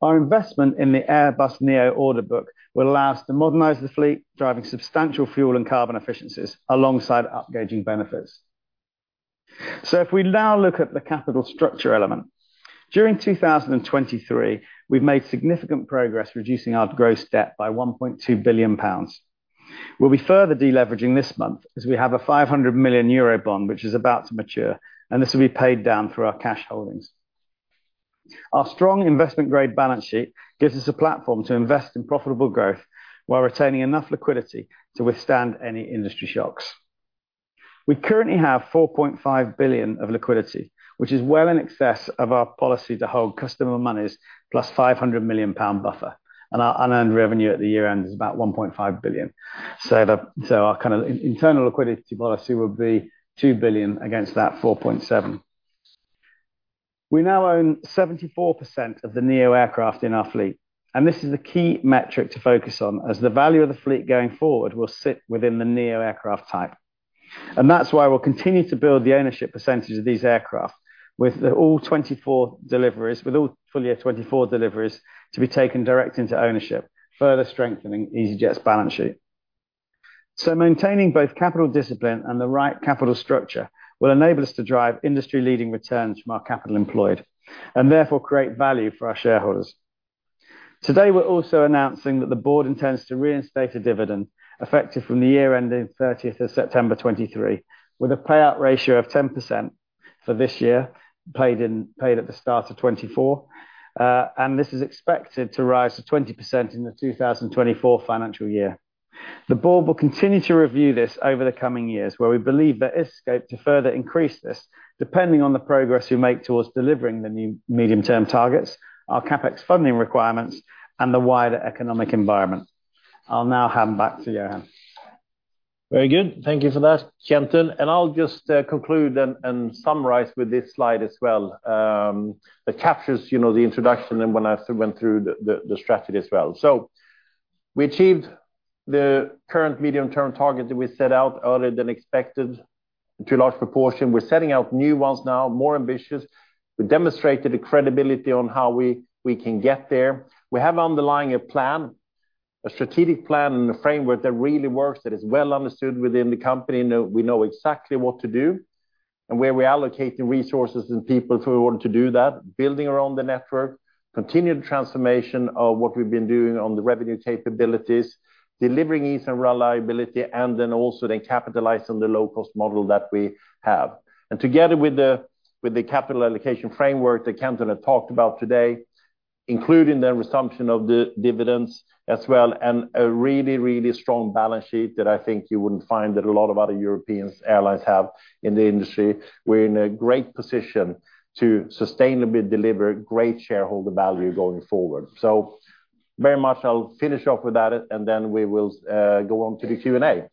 Our investment in the Airbus NEO order book will allow us to modernize the fleet, driving substantial fuel and carbon efficiencies alongside upgauging benefits. So if we now look at the capital structure element. During 2023, we've made significant progress reducing our gross debt by 1.2 billion pounds. We'll be further deleveraging this month, as we have a 500 million euro bond, which is about to mature, and this will be paid down through our cash holdings. Our strong investment-grade balance sheet gives us a platform to invest in profitable growth while retaining enough liquidity to withstand any industry shocks. We currently have 4.5 billion of liquidity, which is well in excess of our policy to hold customer monies plus 500 million pound buffer, and our unearned revenue at the year end is about 1.5 billion. So our kind of internal liquidity policy would be 2 billion against that 4.7. We now own 74% of the NEO aircraft in our fleet, and this is a key metric to focus on, as the value of the fleet going forward will sit within the NEO aircraft type. That's why we'll continue to build the ownership percentage of these aircraft with all 2024 deliveries, with all full year 2024 deliveries to be taken direct into ownership, further strengthening easyJet's balance sheet. Maintaining both capital discipline and the right capital structure will enable us to drive industry-leading returns from our capital employed, and therefore create value for our shareholders. Today, we're also announcing that the board intends to reinstate a dividend effective from the year ending 30th of September 2023, with a payout ratio of 10% for this year, paid at the start of 2024. This is expected to rise to 20% in the 2024 financial year. The board will continue to review this over the coming years, where we believe there is scope to further increase this, depending on the progress we make towards delivering the new medium-term targets, our CapEx funding requirements, and the wider economic environment. I'll now hand back to Johan. Very good. Thank you for that, Kenton. And I'll just conclude and summarize with this slide as well. That captures, you know, the introduction and when I went through the strategy as well. So we achieved the current medium-term target that we set out earlier than expected. To a large proportion, we're setting out new ones now, more ambitious. We demonstrated the credibility on how we can get there. We have underlying a plan, a strategic plan, and a framework that really works, that is well understood within the company. We know exactly what to do and where we're allocating resources and people if we want to do that, building around the network, continued transformation of what we've been doing on the revenue capabilities, delivering ease and reliability, and then also capitalize on the low-cost model that we have. Together with the capital allocation framework that Kenton had talked about today, including the resumption of the dividends as well, and a really, really strong balance sheet that I think you wouldn't find that a lot of other European airlines have in the industry. We're in a great position to sustainably deliver great shareholder value going forward. So very much, I'll finish off with that, and then we will go on to the Q&A.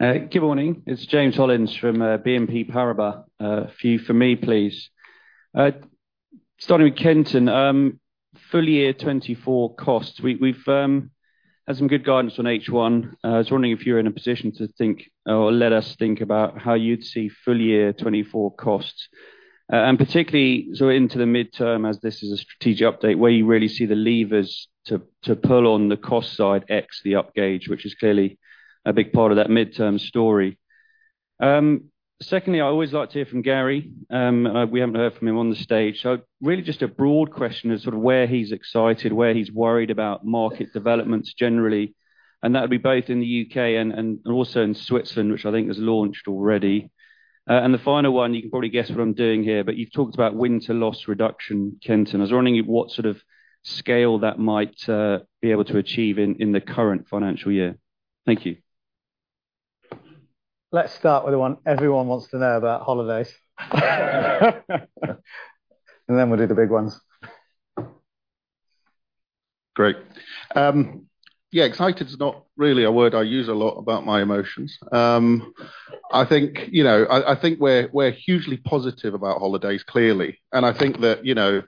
Good morning. It's James Hollins from BNP Paribas. A few for me, please. Starting with Kenton, full year 2024 costs, we've had some good guidance on H1. I was wondering if you're in a position to think or let us think about how you'd see full year 2024 costs. And particularly, so into the midterm, as this is a strategic update, where you really see the levers to pull on the cost side ex the upgauge, which is clearly a big part of that midterm story. Secondly, I always like to hear from Garry, and we haven't heard from him on the stage. So really, just a broad question of sort of where he's excited, where he's worried about market developments generally, and that would be both in the U.K. and, and also in Switzerland, which I think has launched already. And the final one, you can probably guess what I'm doing here, but you've talked about winter loss reduction, Kenton. I was wondering what sort of scale that might be able to achieve in the current financial year. Thank you. Let's start with the one everyone wants to know about holidays. And then we'll do the big ones. Great. Yeah, excited is not really a word I use a lot about my emotions. I think, you know, I think we're, we're hugely positive about holidays, clearly. And I think that, you know,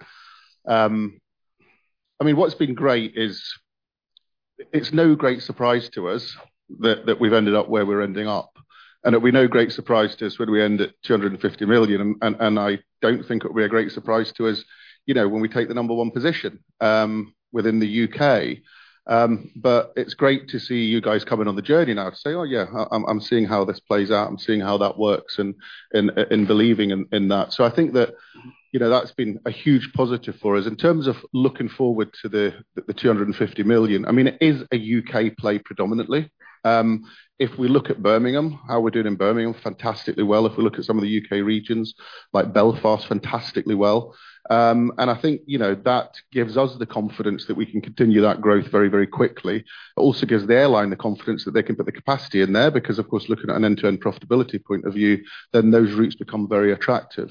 I mean, what's been great is it's no great surprise to us that we've ended up where we're ending up, and it'll be no great surprise to us when we end at 250 million, and I don't think it will be a great surprise to us, you know, when we take the number one position within the U.K. It's great to see you guys coming on the journey now to say, "Oh, yeah, I'm, I'm seeing how this plays out. I'm seeing how that works, and believing in that." So I think that, you know, that's been a huge positive for us. In terms of looking forward to the 250 million, I mean, it is a U.K. play predominantly. If we look at Birmingham, how we're doing in Birmingham, fantastically well. If we look at some of the U.K. regions, like Belfast, fantastically well. And I think, you know, that gives us the confidence that we can continue that growth very, very quickly. It also gives the airline the confidence that they can put the capacity in there, because, of course, looking at an end-to-end profitability point of view, then those routes become very attractive.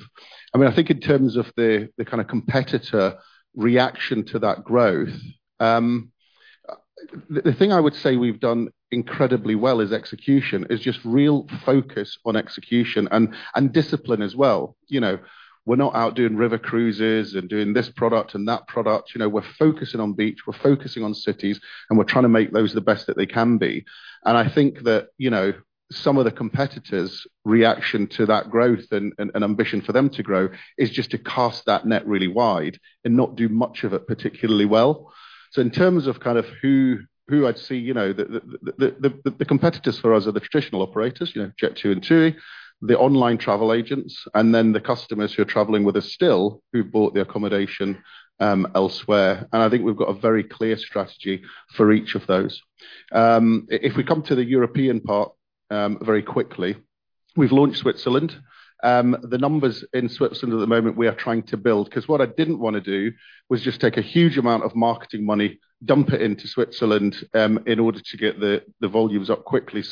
I mean, I think in terms of the kind of competitor reaction to that growth, the thing I would say we've done incredibly well is execution, is just real focus on execution and discipline as well. You know, we're not out doing river cruises and doing this product and that product. You know, we're focusing on beach, we're focusing on cities, and we're trying to make those the best that they can be. And I think that, you know, some of the competitors' reaction to that growth and ambition for them to grow is just to cast that net really wide and not do much of it particularly well. In terms of kind of who I'd see, you know, the competitors for us are the traditional operators, you know, Jet2 and TUI, the online travel agents, and then the customers who are traveling with us still, who bought the accommodation elsewhere. I think we've got a very clear strategy for each of those. If we come to the European part, very quickly, we've launched Switzerland. The numbers in Switzerland at the moment, we are trying to build, 'cause what I didn't want to do was just take a huge amount of marketing money, dump it into Switzerland in order to get the volumes up quickly.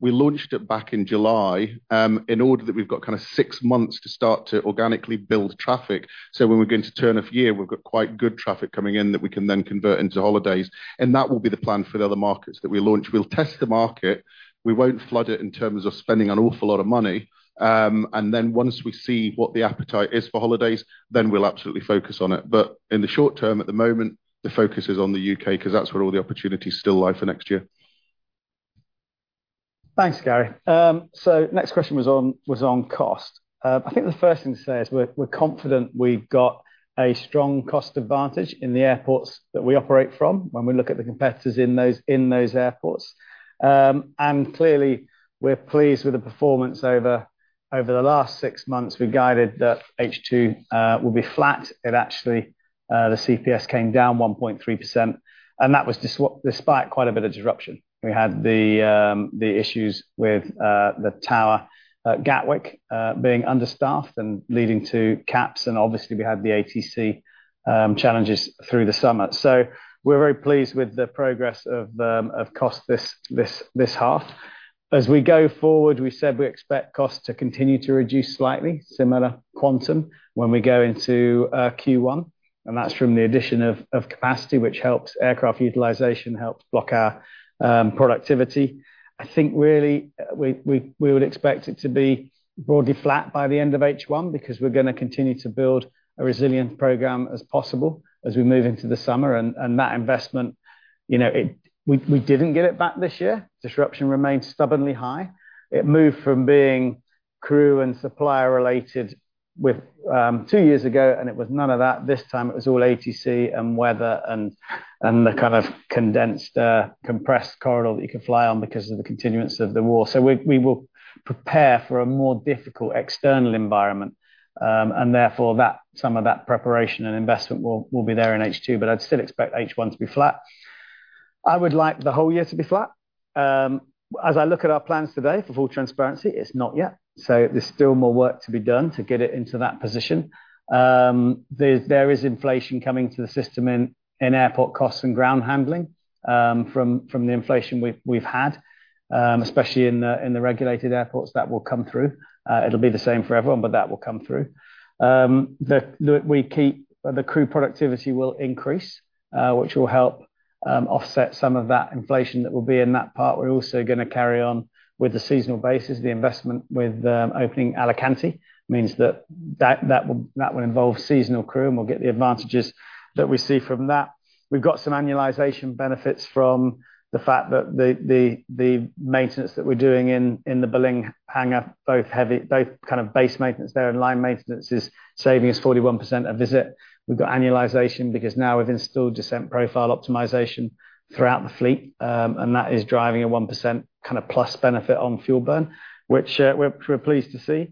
We launched it back in July, in order that we've got kind of six months to start to organically build traffic. When we get into turn of year, we've got quite good traffic coming in that we can then convert into holidays, and that will be the plan for the other markets that we launch. We'll test the market. We won't flood it in terms of spending an awful lot of money. And then once we see what the appetite is for holidays, then we'll absolutely focus on it. But in the short term, at the moment, the focus is on the U.K., 'cause that's where all the opportunities still lie for next year. Thanks, Garry. So next question was on cost. I think the first thing to say is we're confident we've got a strong cost advantage in the airports that we operate from, when we look at the competitors in those airports. And clearly, we're pleased with the performance over the last six months. We guided that H2 will be flat. It actually, the CPS came down 1.3%, and that was despite quite a bit of disruption. We had the issues with the tower at Gatwick being understaffed and leading to caps, and obviously, we had the ATC challenges through the summer. So we're very pleased with the progress of cost this half. As we go forward, we said we expect costs to continue to reduce slightly, similar quantum, when we go into Q1, and that's from the addition of capacity, which helps aircraft utilization, helps block hour productivity. I think really, we would expect it to be broadly flat by the end of H1, because we're gonna continue to build a resilient program as possible as we move into the summer. That investment, you know, we didn't get it back this year. Disruption remained stubbornly high. It moved from being crew and supplier related two years ago, and it was none of that. This time, it was all ATC and weather and the kind of condensed, compressed corridor that you can fly on because of the continuance of the war. So we will prepare for a more difficult external environment, and therefore, that some of that preparation and investment will be there in H2, but I'd still expect H1 to be flat. I would like the whole year to be flat. As I look at our plans today, for full transparency, it's not yet, so there's still more work to be done to get it into that position. There's there is inflation coming to the system in airport costs and ground handling, from the inflation we've had, especially in the regulated airports, that will come through. It'll be the same for everyone, but that will come through. The crew productivity will increase, which will help offset some of that inflation that will be in that part. We're also gonna carry on with the seasonal basis. The investment with opening Alicante means that that will involve seasonal crew, and we'll get the advantages that we see from that. We've got some annualization benefits from the fact that the maintenance that we're doing in the Berlin hangar, both kind of base maintenance there and line maintenance is saving us 41% a visit. We've got annualization because now we've installed Descent Profile Optimization throughout the fleet, and that is driving a 1% kind of plus benefit on fuel burn, which we're pleased to see.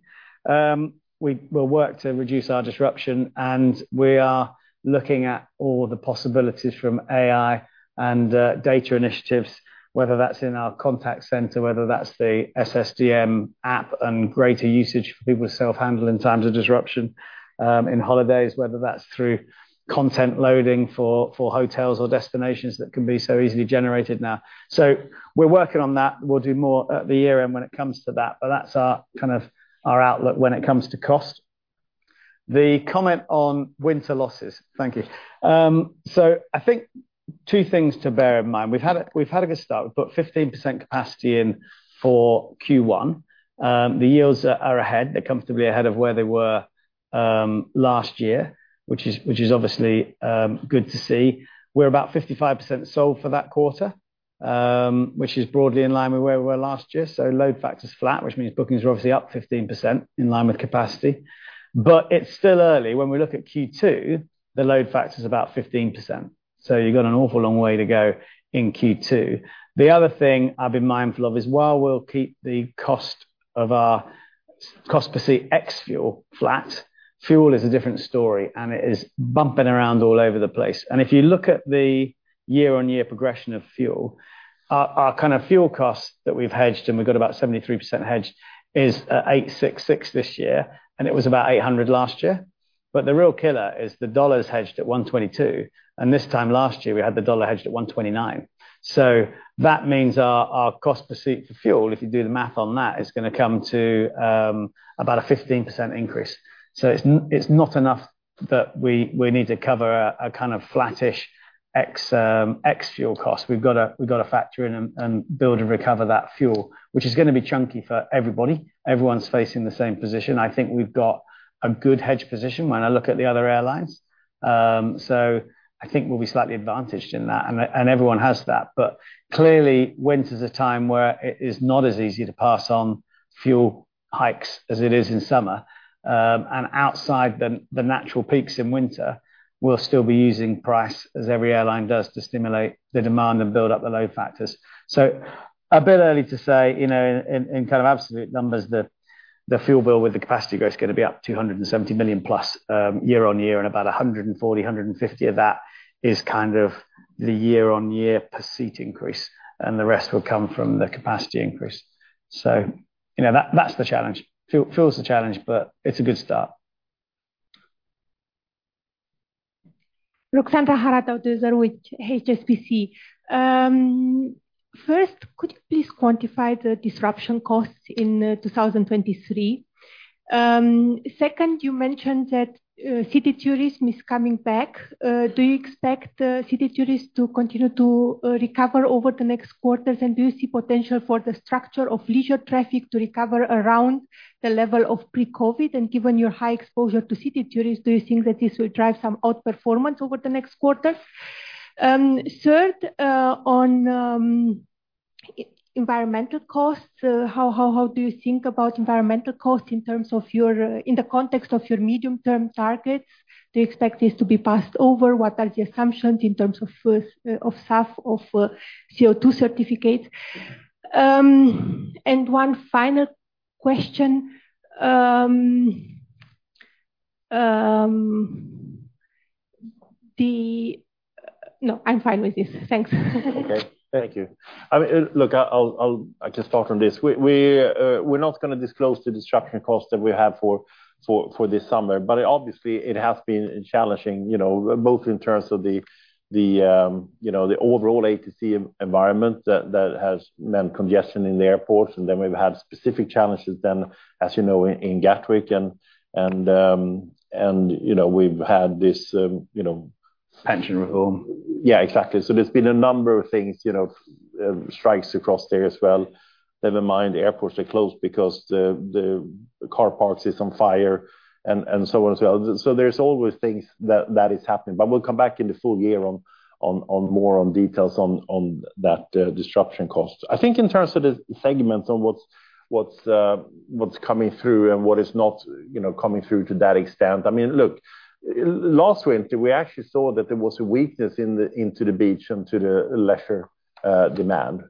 We will work to reduce our disruption, and we are looking at all the possibilities from AI and data initiatives, whether that's in our contact center, whether that's the SSDM app, and greater usage for people to self-handle in times of disruption, in holidays, whether that's through content loading for hotels or destinations that can be so easily generated now. We are working on that. We'll do more at the year-end when it comes to that, but that's kind of our outlook when it comes to cost. The comment on winter losses. Thank you. I think two things to bear in mind. We've had a good start. We've put 15% capacity in for Q1. The yields are ahead. They're comfortably ahead of where they were last year, which is obviously good to see. We're about 55% sold for that quarter, which is broadly in line with where we were last year. So load factor's flat, which means bookings are obviously up 15%, in line with capacity. But it's still early. When we look at Q2, the load factor is about 15%, so you've got an awful long way to go in Q2. The other thing I've been mindful of is, while we'll keep the cost of our cost per seat ex-fuel flat, fuel is a different story, and it is bumping around all over the place. And if you look at the year-on-year progression of fuel, our, our kind of fuel costs that we've hedged, and we've got about 73% hedged, is at $866 this year, and it was about $800 last year. But the real killer is the dollar's hedged at 1.22, and this time last year, we had the dollar hedged at 1.29. So that means our cost per seat for fuel, if you do the math on that, is gonna come to about a 15% increase. So it's not enough that we need to cover a kind of flattish ex-fuel cost. We've got to factor in and build and recover that fuel, which is gonna be chunky for everybody. Everyone's facing the same position. I think we've got a good hedge position when I look at the other airlines. So I think we'll be slightly advantaged in that, and everyone has that. But clearly, winter's a time where it is not as easy to pass on fuel hikes as it is in summer. And outside the natural peaks in winter, we'll still be using price, as every airline does, to stimulate the demand and build up the load factors. So a bit early to say, you know, in kind of absolute numbers, the fuel bill with the capacity growth is gonna be up 270 million plus, year-on-year, and about 140-150 of that is kind of the year-on-year per seat increase, and the rest will come from the capacity increase. So, you know, that's the challenge. Fuel, fuel's the challenge, but it's a good start. Ruxandra Haradau-Döser with HSBC. First, could you please quantify the disruption costs in 2023? Second, you mentioned that city tourism is coming back. Do you expect city tourists to continue to recover over the next quarters? And do you see potential for the structure of leisure traffic to recover around the level of pre-COVID? And given your high exposure to city tourists, do you think that this will drive some outperformance over the next quarters? Third, on environmental costs, how do you think about environmental costs in terms of your in the context of your medium-term targets? Do you expect this to be passed over? What are the assumptions in terms of of staff, of CO2 certificates? And one final question, the... No, I'm fine with this. Thanks. Okay, thank you. I mean, look, I'll just start from this. We're not gonna disclose the disruption costs that we have for this summer, but obviously, it has been challenging, you know, both in terms of the you know, the overall ATC environment that has meant congestion in the airports, and then we've had specific challenges then, as you know, in Gatwick, and you know, we've had this, you know- Pension reform. Yeah, exactly. There's been a number of things, you know, strikes across there as well. Never mind, the airports are closed because the car parks is on fire and, and so on and so on. There's always things that, that is happening. We'll come back in the full year on, on, on more on details on, on that disruption cost. I think in terms of the segments on what's, what's, what's coming through and what is not, you know, coming through to that extent, I mean, look, last winter, we actually saw that there was a weakness in the—into the beach and to the leisure, you know, demand.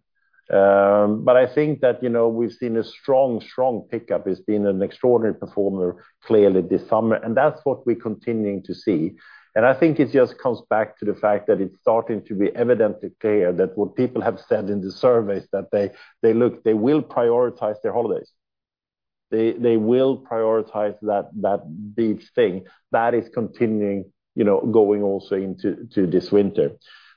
But I think that, you know, we've seen a strong, strong pickup. It's been an extraordinary performer clearly this summer, and that's what we're continuing to see. And I think it just comes back to the fact that it's starting to be evidently clear that what people have said in the surveys, that they, they look, they will prioritize their holidays. They, they will prioritize that, that beach thing. That is continuing, you know, going also into, to this winter.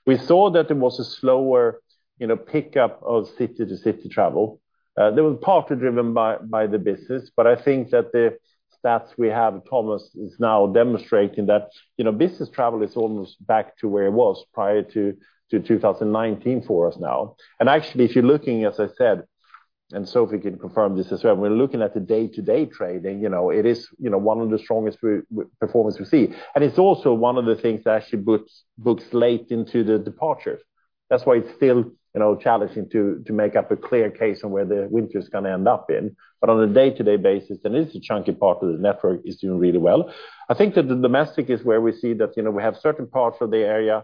We saw that there was a slower, you know, pickup of city-to-city travel. That was partly driven by, by the business, but I think that the stats we have, Thomas, is now demonstrating that, you know, business travel is almost back to where it was prior to 2019 for us now. Actually, if you're looking, as I said, and Sophie can confirm this as well, we're looking at the day-to-day trading, you know, it is, you know, one of the strongest performance we see. It's also one of the things that actually books late into the departures. That's why it's still, you know, challenging to make a clear case on where the winter's gonna end up in. But on a day-to-day basis, then it's a chunky part of the network is doing really well. I think that the domestic is where we see that, you know, we have certain parts of the area,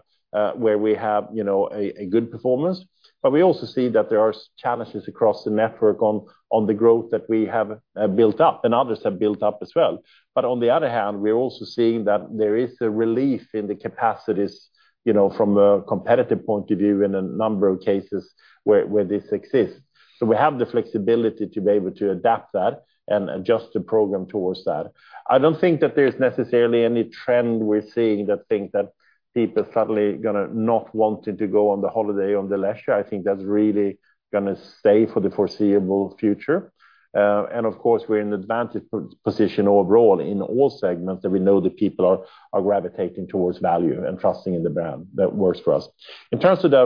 where we have, you know, a good performance. But we also see that there are challenges across the network on the growth that we have built up and others have built up as well. But on the other hand, we're also seeing that there is a relief in the capacities, you know, from a competitive point of view in a number of cases where this exists. So we have the flexibility to be able to adapt that and adjust the program towards that. I don't think that there's necessarily any trend we're seeing that think that people are suddenly gonna not wanting to go on the holiday, on the leisure. I think that's really gonna stay for the foreseeable future. And of course, we're in an advantage position overall in all segments, that we know that people are gravitating towards value and trusting in the brand. That works for us. In terms of the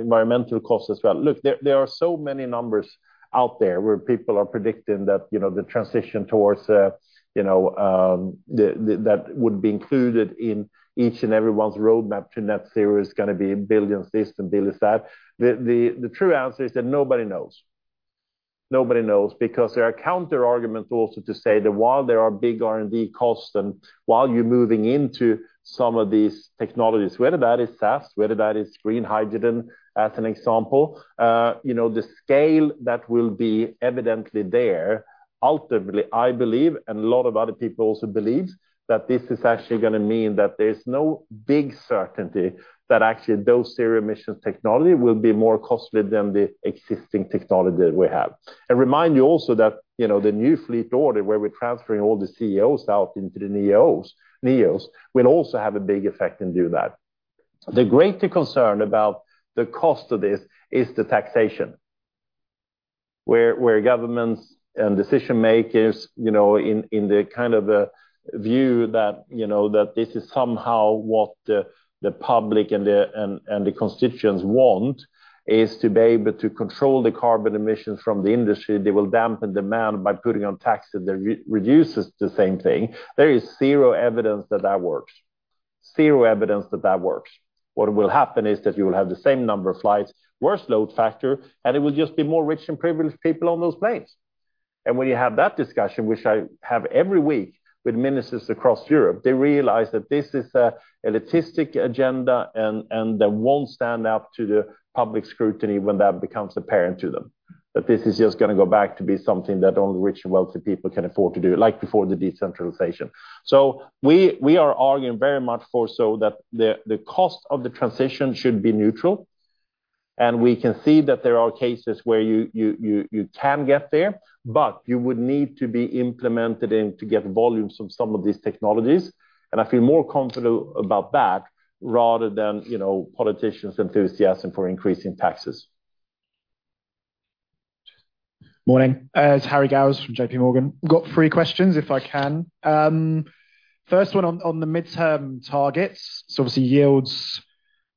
environmental cost as well, look, there are so many numbers out there where people are predicting that, you know, the transition towards, you know, the—that would be included in each and everyone's roadmap to net zero is gonna be $1 billion this and $1 billion that. The true answer is that nobody knows. Nobody knows, because there are counterarguments also to say that while there are big R&D costs and while you're moving into some of these technologies, whether that is SAS, whether that is green hydrogen, as an example, you know, the scale that will be evidently there, ultimately, I believe, and a lot of other people also believe, that this is actually gonna mean that there's no big certainty that actually those zero-emission technology will be more costly than the existing technology that we have. And remind you also that, you know, the new fleet order, where we're transferring all the CEOs out into the NEOs, NEOs, will also have a big effect and do that. The greater concern about the cost of this is the taxation, where governments and decision-makers, you know, in the kind of view that, you know, that this is somehow what the public and the constituents want, is to be able to control the carbon emissions from the industry. They will dampen demand by putting on taxes that reduces the same thing. There is zero evidence that that works. Zero evidence that that works. What will happen is that you will have the same number of flights, worse load factor, and it will just be more rich and privileged people on those planes. And when you have that discussion, which I have every week with ministers across Europe, they realize that this is a logistics agenda, and that won't stand up to the public scrutiny when that becomes apparent to them, that this is just gonna go back to be something that only rich and wealthy people can afford to do, like before the decentralization. So we are arguing very much for so that the cost of the transition should be neutral, and we can see that there are cases where you can get there, but you would need to be implemented and to get volumes from some of these technologies. And I feel more confident about that rather than, you know, politicians' enthusiasm for increasing taxes. Morning. It's Harry Gowers from JPMorgan. Got three questions, if I can. First one on, on the midterm targets. So obviously, yields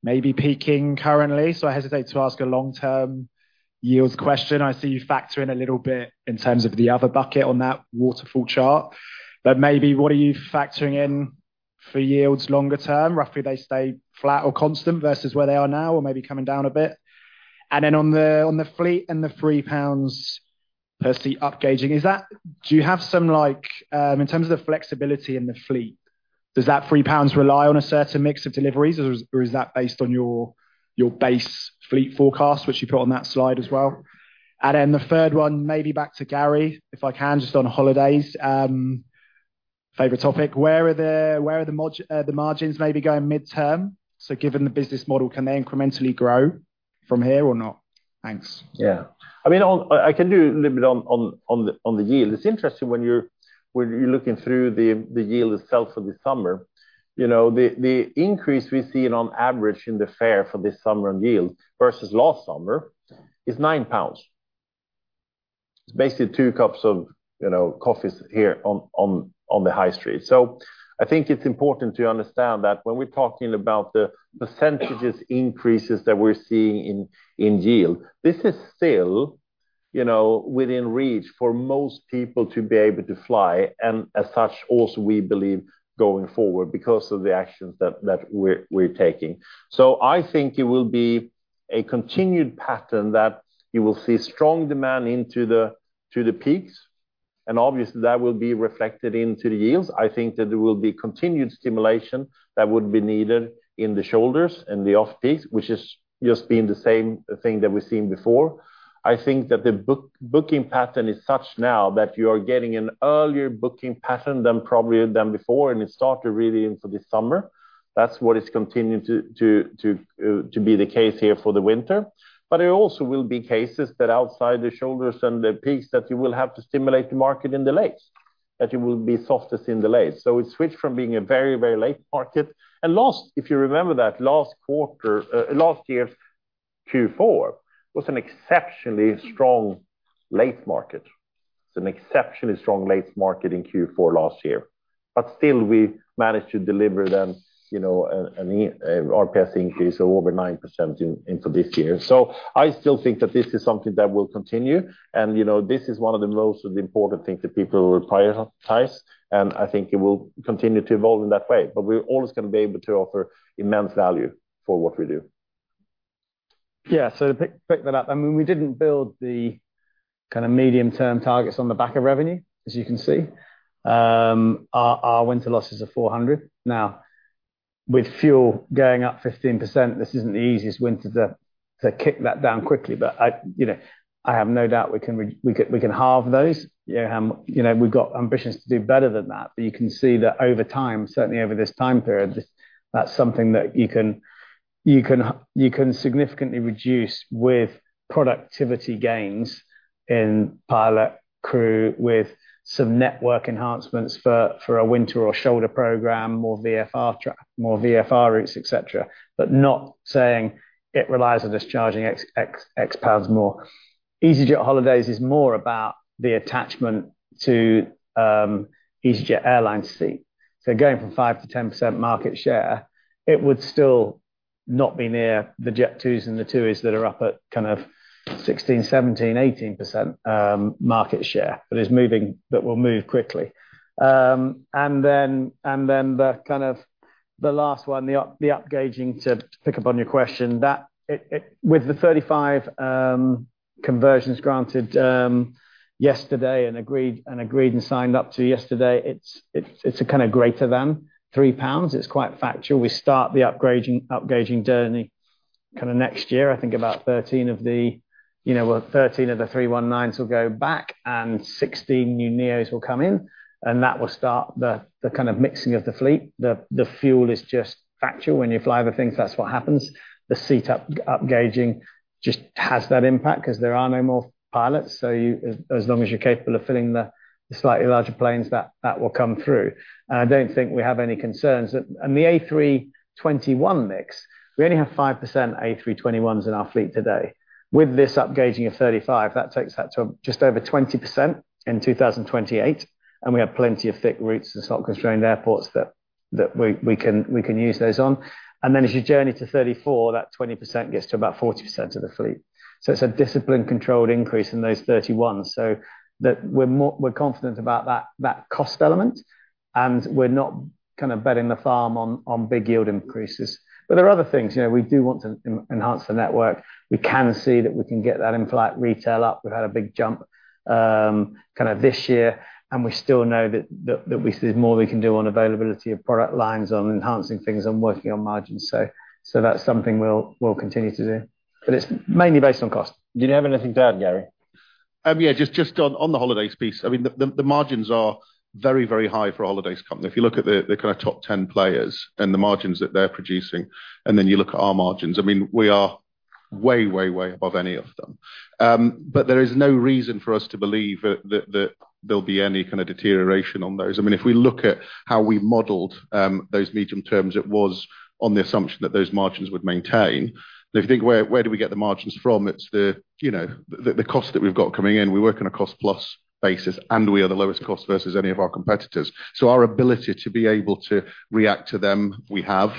may be peaking currently, so I hesitate to ask a long-term yields question. I see you factor in a little bit in terms of the other bucket on that waterfall chart. But maybe what are you factoring in for yields longer term? Roughly, they stay flat or constant versus where they are now, or maybe coming down a bit. And then on the, on the fleet and the 3 pounds per seat upgauging, is that- do you have some, like, in terms of the flexibility in the fleet, does that 3 pounds rely on a certain mix of deliveries, or is, or is that based on your, your base fleet forecast, which you put on that slide as well? Then the third one, maybe back to Garry, if I can, just on holidays, favorite topic: Where are the margins maybe going midterm? So given the business model, can they incrementally grow from here or not? Thanks. Yeah. I mean, I can do a little bit on the yield. It's interesting when you're looking through the yield itself for the summer. You know, the increase we've seen on average in the fare for this summer on yield versus last summer is 9 pounds. It's basically two cups of, you know, coffees here on the high street. I think it's important to understand that when we're talking about the percentages increases that we're seeing in yield, this is still, you know, within reach for most people to be able to fly, and as such, also, we believe, going forward because of the actions that we're taking. I think it will be a continued pattern that you will see strong demand into the peaks. Obviously, that will be reflected into the yields. I think that there will be continued stimulation that would be needed in the shoulders and the off-peak, which has just been the same thing that we've seen before. I think that the booking pattern is such now that you are getting an earlier booking pattern than probably before, and it started really into this summer. That's what is continuing to be the case here for the winter. But there also will be cases that outside the shoulders and the peaks, that you will have to stimulate the market in the lows, that you will be softest in the lows. So it switched from being a very, very late market. Last, if you remember that last quarter, last year's Q4 was an exceptionally strong late market. It's an exceptionally strong late market in Q4 last year. But still, we managed to deliver them, you know, an RPS increase of over 9% into this year. So I still think that this is something that will continue, and, you know, this is one of the most important things that people will prioritize, and I think it will continue to evolve in that way. But we're always gonna be able to offer immense value for what we do. Yeah, to pick that up, I mean, we didn't build the kind of medium-term targets on the back of revenue, as you can see. Our winter losses are 400 million. Now, with fuel going up 15%, this isn't the easiest winter to kick that down quickly, but I, you know, I have no doubt we can re-- we can, we can halve those. Yeah, you know, we've got ambitions to do better than that, but you can see that over time, certainly over this time period, that's something that you can, you can, you can significantly reduce with productivity gains in pilot, crew, with some network enhancements for a winter or shoulder program, more VFR routes, et cetera. Not saying it relies on us charging ex-pounds more. easyJet holidays is more about the attachment to easyJet Airlines seat. Going from 5% to 10% market share, it would still not be near the Jet2s and the TUIs that are up at kind of 16%, 17%, 18% market share, is moving, but will move quickly. The last one, the upgauging, to pick up on your question, with the 35 conversions granted yesterday, and agreed and signed up to yesterday, it's a kind of greater than 3 pounds. It's quite factual. We start the upgrading, upgauging journey next year. I think about 13 of the, you know, well, 13 of the 319s will go back, and 16 new NEOs will come in, and that will start the, the kind of mixing of the fleet. The, the fuel is just factual. When you fly other things, that's what happens. The seat up, upgauging just has that impact 'cause there are no more pilots, so you, as, as long as you're capable of filling the, the slightly larger planes, that, that will come through. I don't think we have any concerns. The A321 mix, we only have 5% A321s in our fleet today. With this upgauging of 35, that takes that to just over 20% in 2028, and we have plenty of thick routes and slot-constrained airports that, that we, we can, we can use those on. As you journey to 34, that 20% gets to about 40% of the fleet. It's a disciplined, controlled increase in those thirty-ones, so that we're more—we're confident about that, that cost element, and we're not kind of betting the farm on, on big yield increases. There are other things, you know, we do want to enhance the network. We can see that we can get that in-flight retail up. We've had a big jump, kind of this year, and we still know that, that, that we see more we can do on availability of product lines, on enhancing things, on working on margins. That's something we'll, we'll continue to do. It's mainly based on cost. Do you have anything to add, Garry? Yeah, just on the holidays piece. I mean, the margins are very, very high for a holidays company. If you look at the kind of top ten players and the margins that they're producing, and then you look at our margins, I mean, we are way, way, way above any of them. But there is no reason for us to believe that there'll be any kind of deterioration on those. I mean, if we look at how we modeled those medium terms, it was on the assumption that those margins would maintain. And if you think, where do we get the margins from? It's the, you know, the cost that we've got coming in. We work on a cost-plus basis, and we are the lowest cost versus any of our competitors. So our ability to be able to react to them, we have.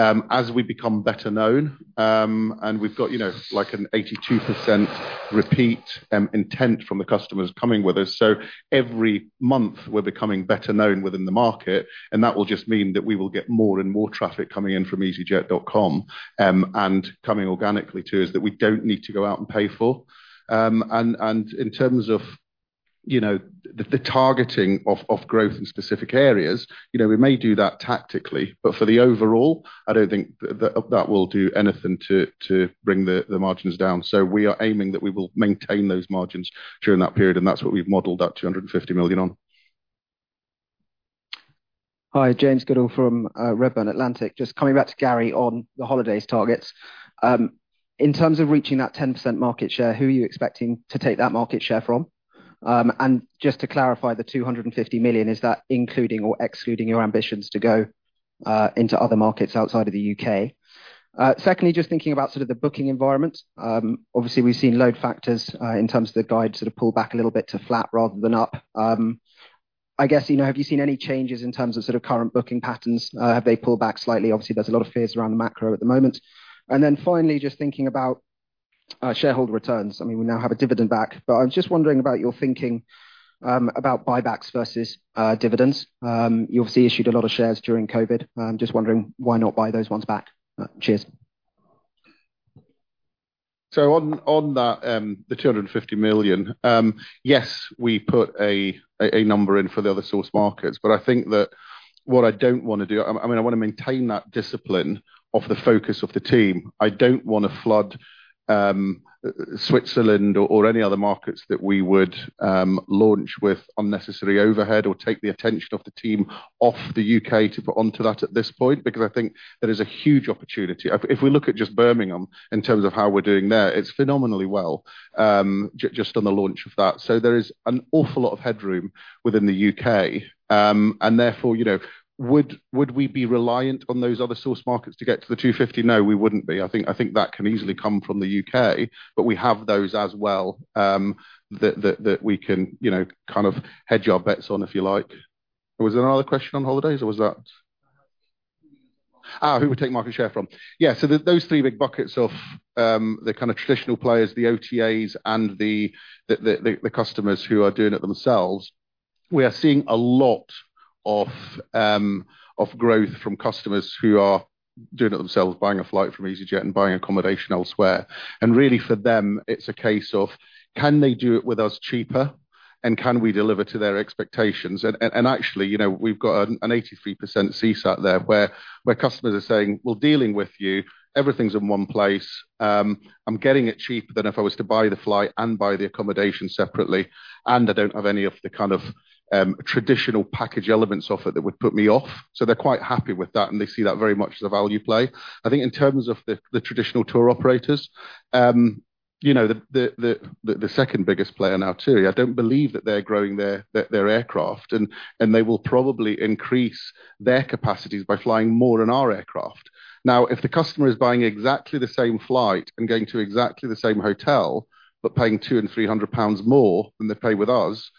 As we become better known, and we've got, you know, like, a 82% repeat intent from the customers coming with us. So every month, we're becoming better known within the market, and that will just mean that we will get more and more traffic coming in from easyJet.com, and coming organically to us, that we don't need to go out and pay for. And in terms of, you know, the targeting of growth in specific areas, you know, we may do that tactically, but for the overall, I don't think that will do anything to bring the margins down. So we are aiming that we will maintain those margins during that period, and that's what we've modeled that 250 million on. Hi, James Goodall from Redburn Atlantic. Just coming back to Garry on the holidays targets. In terms of reaching that 10% market share, who are you expecting to take that market share from? And just to clarify, the 250 million, is that including or excluding your ambitions to go into other markets outside of the U.K.? Secondly, just thinking about sort of the booking environment. Obviously, we've seen load factors in terms of the guide, sort of pull back a little bit to flat rather than up. I guess, you know, have you seen any changes in terms of sort of current booking patterns? Have they pulled back slightly? Obviously, there's a lot of fears around the macro at the moment. And then finally, just thinking about shareholder returns. I mean, we now have a dividend back, but I'm just wondering about your thinking about buybacks versus dividends. You obviously issued a lot of shares during COVID. I'm just wondering, why not buy those ones back? Cheers. On that, the 250 million, yes, we put a number in for the other source markets, but I think that what I don't wanna do, I mean, I wanna maintain that discipline of the focus of the team. I don't wanna flood Switzerland or any other markets that we would launch with unnecessary overhead or take the attention of the team off the U.K. to put onto that at this point, because I think there is a huge opportunity. If we look at just Birmingham in terms of how we're doing there, it's phenomenally well, just on the launch of that. There is an awful lot of headroom within the U.K., and therefore, you know, would we be reliant on those other source markets to get to the 250 million? No, we wouldn't be. I think that can easily come from the U.K., but we have those as well, that we can, you know, kind of hedge our bets on, if you like. Was there another question on holidays, or was that- Ah, who we take market share from? Yeah, so those three big buckets of, the kind of traditional players, the OTAs and the customers who are doing it themselves, we are seeing a lot of growth from customers who are doing it themselves, buying a flight from easyJet and buying accommodation elsewhere. And really, for them, it's a case of can they do it with us cheaper, and can we deliver to their expectations? Actually, you know, we've got an 83% CSAT there, where customers are saying, "Well, dealing with you, everything's in one place. I'm getting it cheaper than if I was to buy the flight and buy the accommodation separately, and I don't have any of the kind of traditional package elements offered that would put me off." So they're quite happy with that, and they see that very much as a value play. I think in terms of the traditional tour operators, you know, the second biggest player now, TUI, I don't believe that they're growing their aircraft, and they will probably increase their capacities by flying more on our aircraft. Now, if the customer is buying exactly the same flight and going to exactly the same hotel, but paying 200 and 300 pounds more than they pay with us,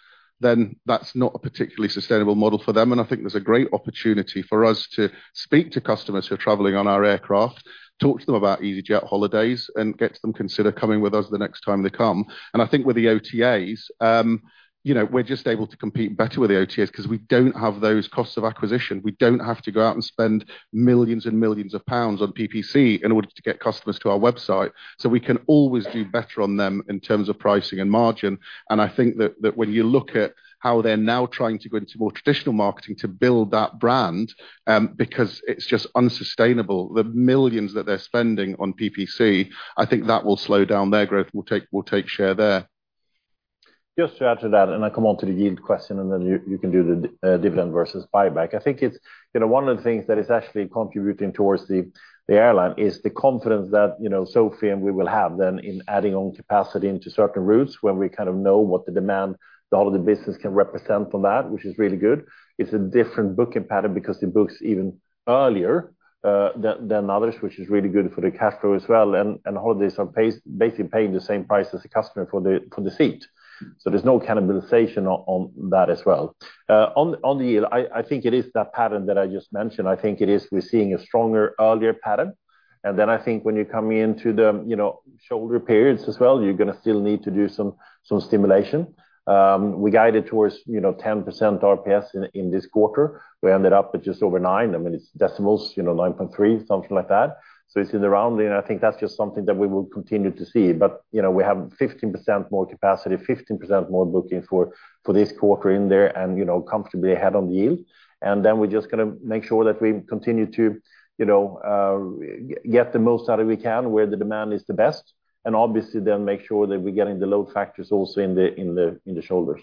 then that's not a particularly sustainable model for them. And I think there's a great opportunity for us to speak to customers who are traveling on our aircraft, talk to them about easyJet holidays, and get them to consider coming with us the next time they come. And I think with the OTAs, you know, we're just able to compete better with the OTAs 'cause we don't have those costs of acquisition. We don't have to go out and spend millions and millions of GBP on PPC in order to get customers to our website. So we can always do better on them in terms of pricing and margin, and I think that when you look at how they're now trying to go into more traditional marketing to build that brand, because it's just unsustainable, the millions that they're spending on PPC, I think that will slow down their growth. We'll take share there. Just to add to that, and I come on to the yield question, and then you can do the dividend versus buyback. I think it's, you know, one of the things that is actually contributing towards the airline is the confidence that, you know, Sophie and we will have then in adding on capacity into certain routes, when we kind of know what the demand the holiday business can represent on that, which is really good. It's a different booking pattern because it books even earlier than others, which is really good for the cash flow as well. And holidays are basically paying the same price as the customer for the seat. So there's no cannibalization on that as well. On the yield, I think it is that pattern that I just mentioned. I think it is we're seeing a stronger, earlier pattern, and then I think when you come into the, you know, shoulder periods as well, you're gonna still need to do some stimulation. We guided towards, you know, 10% RPS in this quarter. We ended up with just over 9. I mean, it's decimals, you know, 9.3, something like that. So it's in the rounding, and I think that's just something that we will continue to see. But, you know, we have 15% more capacity, 15% more booking for this quarter in there and, you know, comfortably ahead on the yield. And then we're just gonna make sure that we continue to, you know, get the most out of it we can, where the demand is the best, and obviously then make sure that we're getting the load factors also in the shoulders.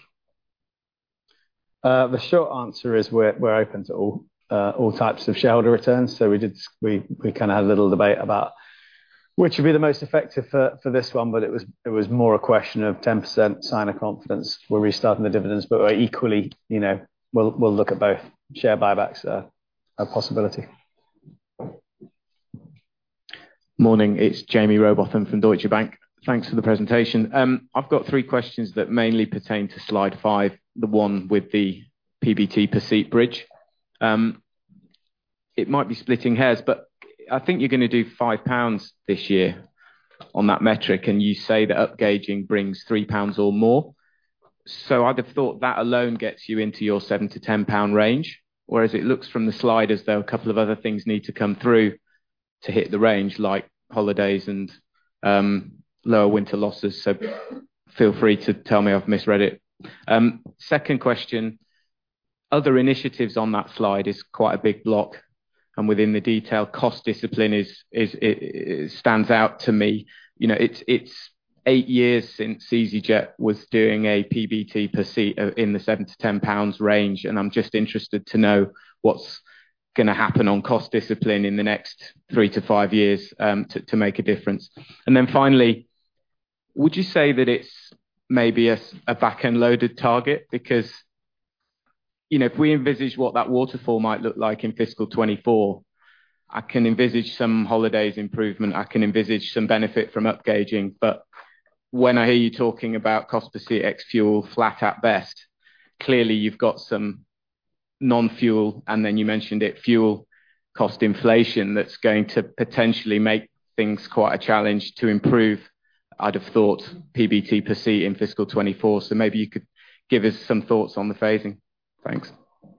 The short answer is we're open to all types of shareholder returns. So we did... We kind of had a little debate about which would be the most effective for this one, but it was more a question of 10% sign of confidence. We're restarting the dividends, but we're equally, you know, we'll look at both. Share buybacks are a possibility. Morning, it's Jamie Rowbotham from Deutsche Bank. Thanks for the presentation. I've got 3 questions that mainly pertain to slide 5, the one with the PBT per seat bridge. It might be splitting hairs, but I think you're gonna do 5 pounds this year on that metric, and you say that upgauging brings 3 pounds or more. So I'd have thought that alone gets you into your 7-10 pound range, whereas it looks from the slide as though a couple of other things need to come through to hit the range, like holidays and lower winter losses. So feel free to tell me I've misread it. Second question: Other initiatives on that slide is quite a big block, and within the detail, cost discipline is it stands out to me. You know, it's eight years since easyJet was doing a PBT per seat in the GBP 7-£10 range, and I'm just interested to know what's gonna happen on cost discipline in the next three to five years to make a difference. Finally, would you say that it's maybe a back-end loaded target? Because, you know, if we envisage what that waterfall might look like in fiscal 2024, I can envisage some holidays improvement, I can envisage some benefit from upgauging, but when I hear you talking about cost per seat, ex fuel, flat at best, clearly you've got some non-fuel, and then you mentioned it, fuel cost inflation that's going to potentially make things quite a challenge to improve, I'd have thought, PBT per seat in fiscal 2024. Maybe you could give us some thoughts on the phasing. Thanks.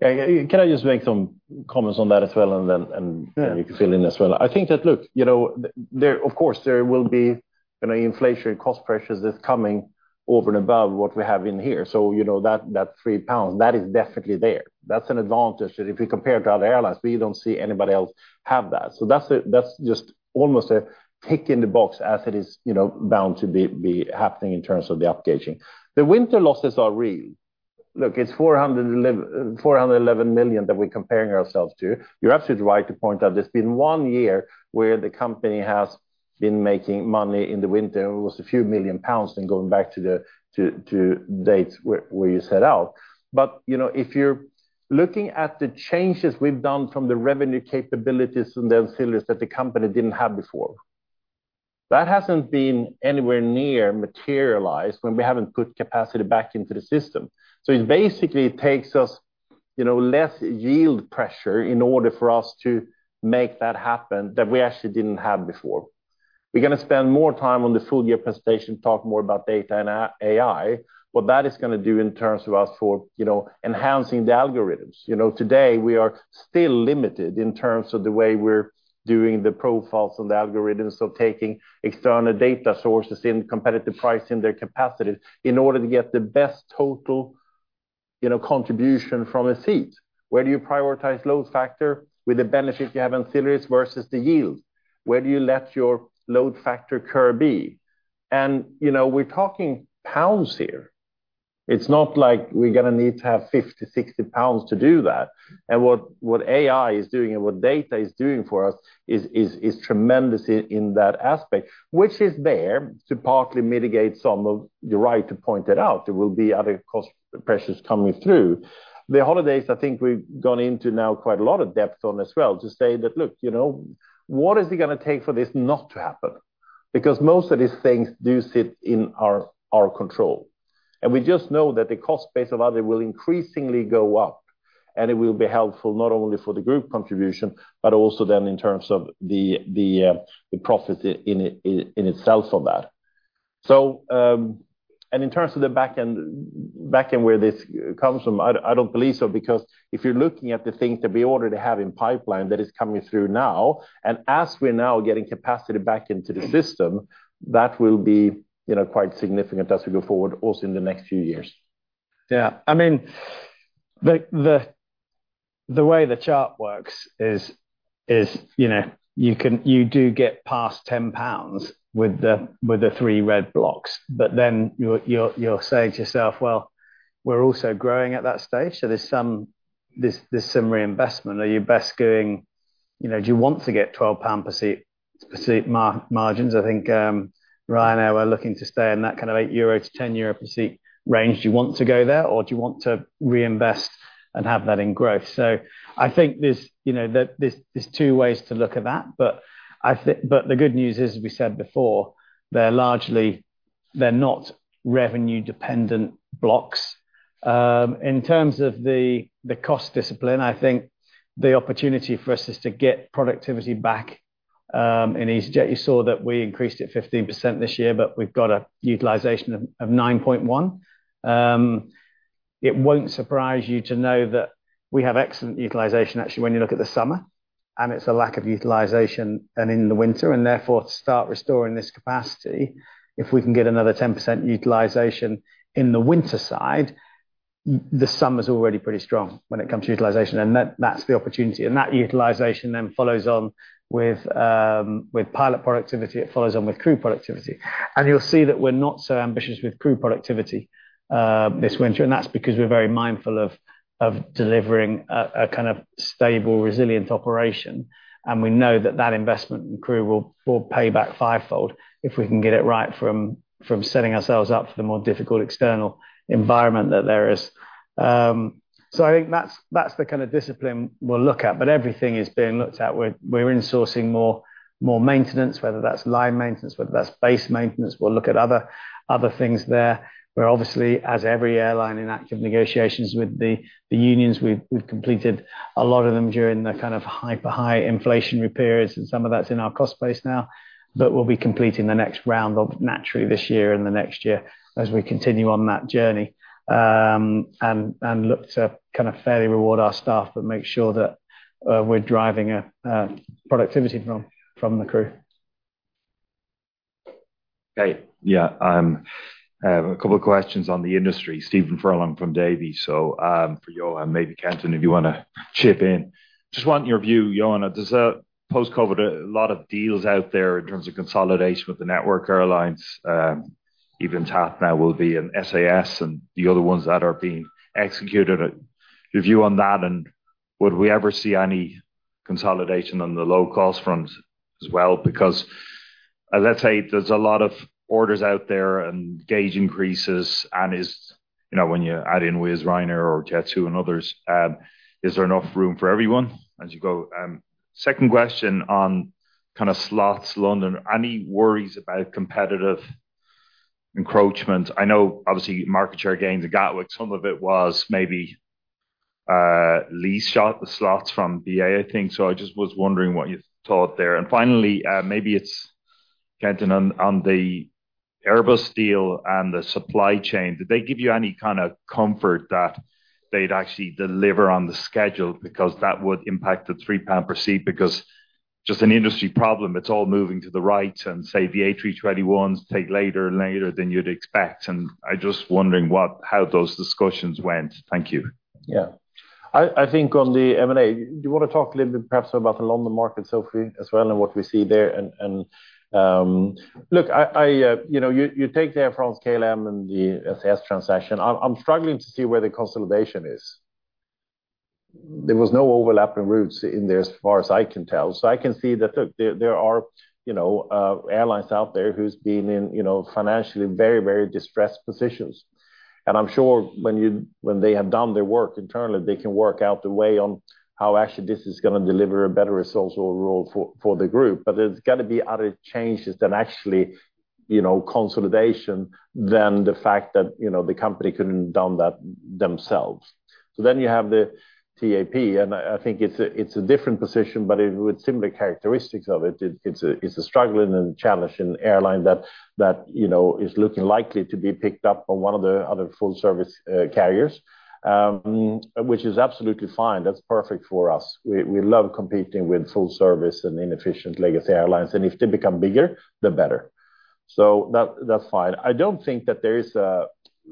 Yeah, yeah. Can I just make some comments on that as well, and then, and- Yeah. You can fill in as well? I think that, look, you know, there, of course, there will be, you know, inflation and cost pressures that's coming over and above what we have in here. So, you know, that, that 3 pounds, that is definitely there. That's an advantage that if you compare to other airlines, we don't see anybody else have that. So that's a, that's just almost a tick in the box as it is, you know, bound to be happening in terms of the upgauging. The winter losses are real. Look, it's 411 million that we're comparing ourselves to. You're absolutely right to point out there's been one year where the company has been making money in the winter. It was a few million GBP than going back to the, to, to dates where, where you set out. But, you know, if you're looking at the changes we've done from the revenue capabilities and the ancillaries that the company didn't have before, that hasn't been anywhere near materialized when we haven't put capacity back into the system. So it basically takes us, you know, less yield pressure in order for us to make that happen, that we actually didn't have before. We're gonna spend more time on the full year presentation, talk more about data and AI, what that is gonna do in terms of us for, you know, enhancing the algorithms. You know, today, we are still limited in terms of the way we're doing the profiles and the algorithms of taking external data sources in competitive pricing their capacity in order to get the best total, you know, contribution from a seat. Where do you prioritize load factor with the benefit you have ancillaries versus the yield? Where do you let your load factor curve be? And, you know, we're talking pounds here. It's not like we're gonna need to have 50, 60 pounds to do that. And what, what AI is doing and what data is doing for us is, is, is tremendous in, in that aspect, which is there to partly mitigate some of—you're right to point it out. There will be other cost pressures coming through. The holidays, I think we've gone into now quite a lot of depth on as well, to say that, look, you know, what is it gonna take for this not to happen? Because most of these things do sit in our, our control. And we just know that the cost base of other will increasingly go up, and it will be helpful not only for the group contribution, but also then in terms of the profits in itself of that. So, and in terms of the backend where this comes from, I don't believe so, because if you're looking at the things that we already have in pipeline that is coming through now, and as we're now getting capacity back into the system, that will be, you know, quite significant as we go forward, also in the next few years. Yeah. I mean, the way the chart works is, you know, you can—you do get past 10 pounds with the three red blocks, but then you're saying to yourself: Well, we're also growing at that stage, so there's some, there's some reinvestment. Are you best going... You know, do you want to get 12 pound per seat, per seat margins? I think Ryanair were looking to stay in that kind of 8-10 euro per seat range. Do you want to go there, or do you want to reinvest and have that in growth? I think there's, you know, there's two ways to look at that, but the good news is, as we said before, they're largely, they're not revenue-dependent blocks. In terms of the cost discipline, I think the opportunity for us is to get productivity back in easyJet. You saw that we increased it 15% this year, but we've got a utilization of 9.1. It won't surprise you to know that we have excellent utilization, actually, when you look at the summer, and it's a lack of utilization in the winter, and therefore, to start restoring this capacity, if we can get another 10% utilization in the winter side, the summer's already pretty strong when it comes to utilization, and that's the opportunity. That utilization then follows on with pilot productivity, it follows on with crew productivity. You'll see that we're not so ambitious with crew productivity this winter, and that's because we're very mindful of delivering a kind of stable, resilient operation. We know that investment in crew will pay back fivefold if we can get it right from setting ourselves up for the more difficult external environment that there is. I think that's the kind of discipline we'll look at, but everything is being looked at. We're insourcing more maintenance, whether that's line maintenance, whether that's base maintenance. We'll look at other things there, where obviously, as every airline in active negotiations with the unions, we've completed a lot of them during the kind of hyper-high inflationary periods, and some of that's in our cost base now. But we'll be completing the next round of naturally this year and the next year as we continue on that journey, and look to kind of fairly reward our staff, but make sure that we're driving productivity from the crew. Hey, yeah, I have a couple of questions on the industry. Stephen Furlong from Davy. For you, and maybe Kenton, if you wanna chip in. Just want your view, Johan. There's a post-COVID, a lot of deals out there in terms of consolidation with the network airlines, even TAP now will be in SAS and the other ones that are being executed. Your view on that, and would we ever see any consolidation on the low-cost front as well? Because, let's say there's a lot of orders out there and gauge increases, and is, you know, when you add in Wizz, Ryanair, or Jet2 and others, is there enough room for everyone as you go? Second question on kind of slots, London, any worries about competitive encroachment? I know obviously, market share gains at Gatwick. Some of it was maybe lease the slots from BA, I think. So I just was wondering what you thought there. And finally, maybe it's-Kenton, on the Airbus deal and the supply chain, did they give you any kind of comfort that they'd actually deliver on the schedule? Because that would impact the 3 pound per seat, because just an industry problem, it's all moving to the right, and say, the A321s take later and later than you'd expect. And I'm just wondering what - how those discussions went. Thank you. Yeah. I think on the M&A, do you want to talk a little bit, perhaps, about the London market, Sophie, as well, and what we see there? And look, you know, you take the Air France KLM and the SAS transaction. I'm struggling to see where the consolidation is. There was no overlapping routes in there, as far as I can tell. So I can see that there are, you know, airlines out there who have been in, you know, financially very, very distressed positions. And I'm sure when they have done their work internally, they can work out the way on how actually this is gonna deliver a better result or role for the group. But there's got to be other changes than actually, you know, consolidation, than the fact that, you know, the company couldn't have done that themselves. So then you have the TAP, and I think it's a different position, but it with similar characteristics of it. It's a struggling and challenging airline that, you know, is looking likely to be picked up by one of the other full-service carriers. Which is absolutely fine. That's perfect for us. We love competing with full service and inefficient legacy airlines, and if they become bigger, the better. So that's fine. I don't think that there is a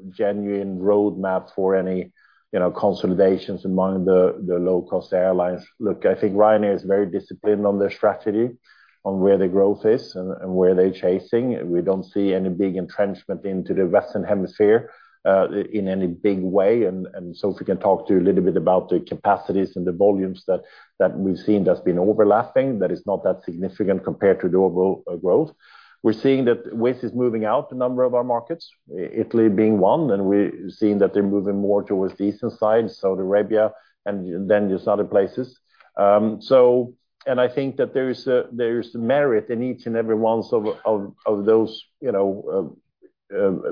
genuine roadmap for any, you know, consolidations among the low-cost airlines. Look, I think Ryanair is very disciplined on their strategy, on where the growth is and where they're chasing. We don't see any big entrenchment into the Western Hemisphere in any big way. And so if we can talk to you a little bit about the capacities and the volumes that we've seen that's been overlapping, that is not that significant compared to the overall growth. We're seeing that Wizz is moving out a number of our markets, Italy being one, and we're seeing that they're moving more towards the eastern side, Saudi Arabia, and then just other places. So, and I think that there is merit in each and every one of those, you know,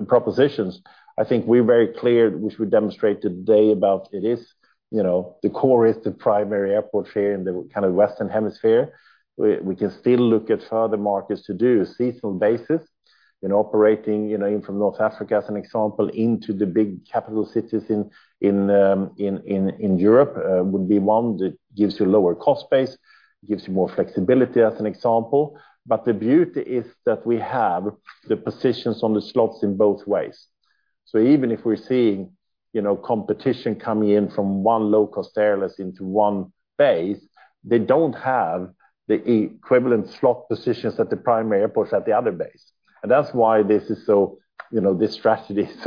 propositions. I think we're very clear, which we demonstrate today, about it is, you know, the core is the primary airport here in the kind of Western Hemisphere. We can still look at further markets to do a seasonal basis in operating, you know, in from North Africa, as an example, into the big capital cities in Europe, would be one that gives you lower cost base, gives you more flexibility, as an example. But the beauty is that we have the positions on the slots in both ways. So even if we're seeing, you know, competition coming in from one low-cost airlines into one base, they don't have the equivalent slot positions at the primary airports at the other base. And that's why this is so, you know, this strategy is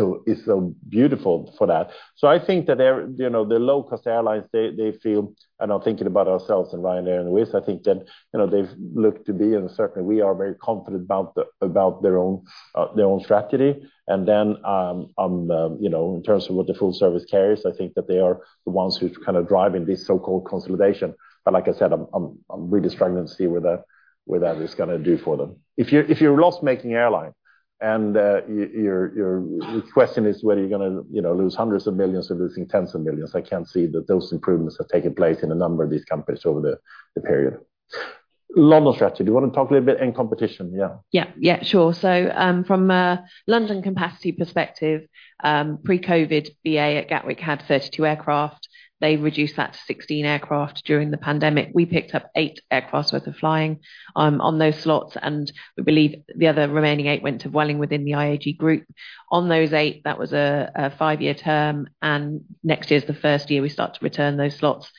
so beautiful for that. I think that they're, you know, the low-cost airlines, they feel, and I'm thinking about ourselves and Ryanair and Wizz, I think that, you know, they've looked to be, and certainly we are very confident about the, about their own, you know, their own strategy. In terms of what the full-service carriers, I think that they are the ones who's kind of driving this so-called consolidation. Like I said, I'm really struggling to see where that, where that is gonna do for them. If you're a loss-making airline, and your question is whether you're gonna, you know, lose hundreds of millions or losing tens of millions, I can't see that those improvements have taken place in a number of these companies over the period. London strategy, do you want to talk a little bit in competition? Yeah. Yeah, yeah, sure. So, from a London capacity perspective, pre-COVID, BA at Gatwick had 32 aircraft. They reduced that to 16 aircraft during the pandemic. We picked up 8 aircraft worth of flying, on those slots, and we believe the other remaining 8 went to Vueling within the IAG group. On those 8, that was a 5-year term, and next year's the first year we start to return those slots.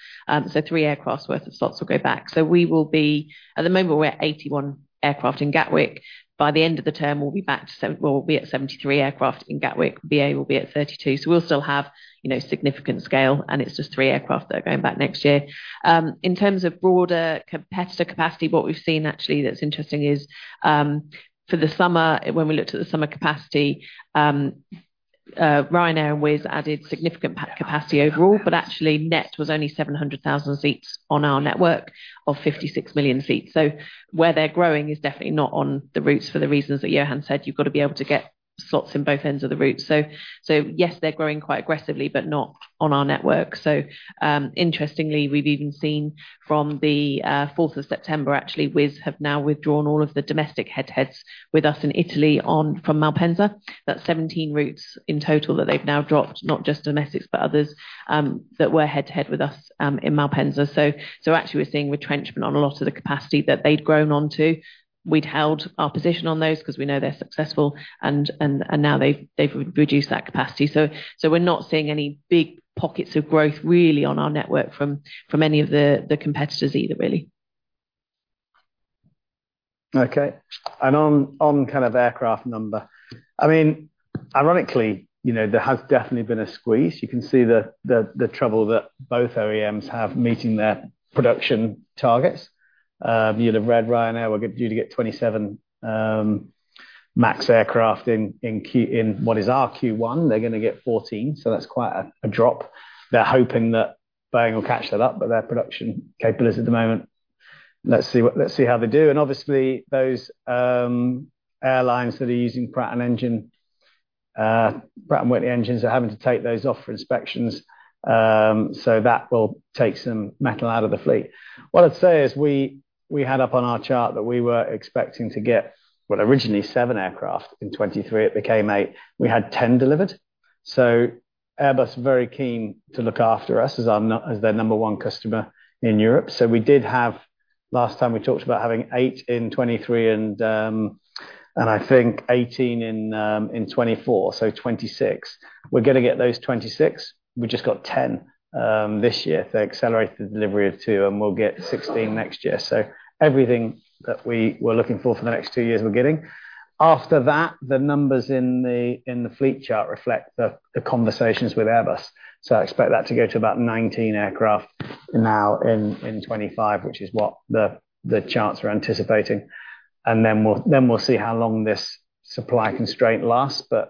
So three aircraft worth of slots will go back. So we will be... At the moment, we're at 81 aircraft in Gatwick. By the end of the term, we'll be at 73 aircraft in Gatwick, BA will be at 32. So we'll still have, you know, significant scale, and it's just three aircraft that are going back next year. In terms of broader competitor capacity, what we've seen, actually, that's interesting is, for the summer, when we looked at the summer capacity, Ryanair and Wizz added significant capacity overall, but actually net was only 700,000 seats on our network of 56 million seats. So where they're growing is definitely not on the routes for the reasons that Johan said. You've got to be able to get slots in both ends of the route. So, yes, they're growing quite aggressively, but not on our network. So, interestingly, we've even seen from the fourth of September, actually, Wizz have now withdrawn all of the domestic head-to-heads with us in Italy from Malpensa. That's 17 routes in total that they've now dropped, not just domestics, but others, that were head-to-head with us, in Malpensa. So actually, we're seeing retrenchment on a lot of the capacity that they'd grown onto. We'd held our position on those because we know they're successful, and now they've reduced that capacity. So we're not seeing any big pockets of growth, really, on our network from any of the competitors either, really. Okay. On kind of aircraft number, I mean, ironically, you know, there has definitely been a squeeze. You can see the trouble that both OEMs have meeting their production targets. You'd have read Ryanair, we're due to get 27 MAX aircraft in what is our Q1. They're gonna get 14, so that's quite a drop. They're hoping that Boeing will catch that up, but their production capable is at the moment. Let's see how they do. And obviously, those airlines that are using Pratt & Whitney engine, Pratt & Whitney engines are having to take those off for inspections, so that will take some metal out of the fleet. What I'd say is we, we had up on our chart that we were expecting to get, well, originally 7 aircraft in 2023, it became 8. We had 10 delivered, so Airbus is very keen to look after us as their number one customer in Europe. We did have, last time we talked about having 8 in 2023, and I think 18 in 2024, so 26. We're gonna get those 26. We just got 10 this year. They accelerated the delivery of 2, and we'll get 16 next year. Everything that we were looking for for the next 2 years, we're getting. After that, the numbers in the fleet chart reflect the conversations with Airbus. So I expect that to go to about 19 aircraft now in 2025, which is what the charts are anticipating. And then we'll see how long this supply constraint lasts, but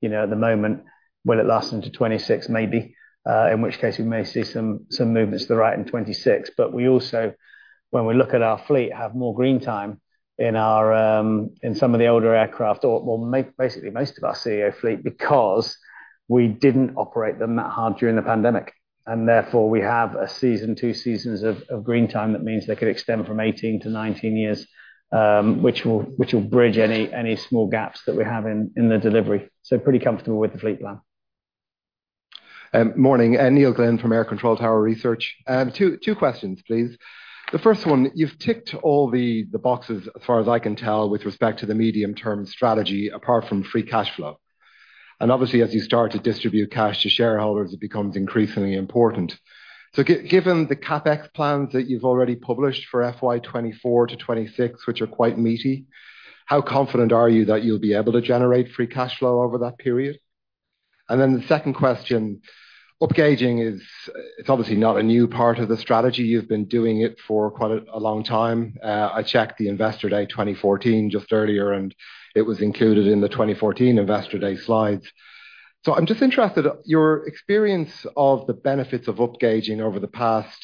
you know, at the moment, will it last into 2026? Maybe. In which case, we may see some movements to the right in 2026. But we also, when we look at our fleet, have more green time in our in some of the older aircraft, or well, make basically most of our CEO fleet, because we didn't operate them that hard during the pandemic, and therefore, we have a season, 2 seasons of green time. That means they could extend from 18 to 19 years, which will bridge any small gaps that we have in the delivery. So pretty comfortable with the fleet plan. Morning, and Neil Glynn from AIR Control Tower Research. Two questions, please. The first one, you've ticked all the boxes, as far as I can tell, with respect to the medium-term strategy, apart from free cash flow. And obviously, as you start to distribute cash to shareholders, it becomes increasingly important. So given the CapEx plans that you've already published for FY 2024-2026, which are quite meaty, how confident are you that you'll be able to generate free cash flow over that period? And then the second question: upgauging is, it's obviously not a new part of the strategy. You've been doing it for quite a long time. I checked the Investor Day 2014 just earlier, and it was included in the 2014 Investor Day slides. So I'm just interested, your experience of the benefits of upgauging over the past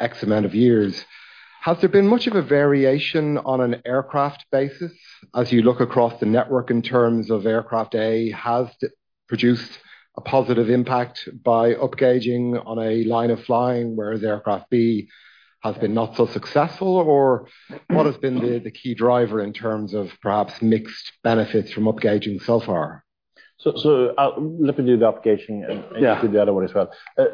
X amount of years, has there been much of a variation on an aircraft basis as you look across the network in terms of aircraft A has produced a positive impact by upgauging on a line of flying, whereas aircraft B has been not so successful? Or what has been the key driver in terms of perhaps mixed benefits from upgauging so far? So, let me do the upgauging and- Yeah. -do the other one as well.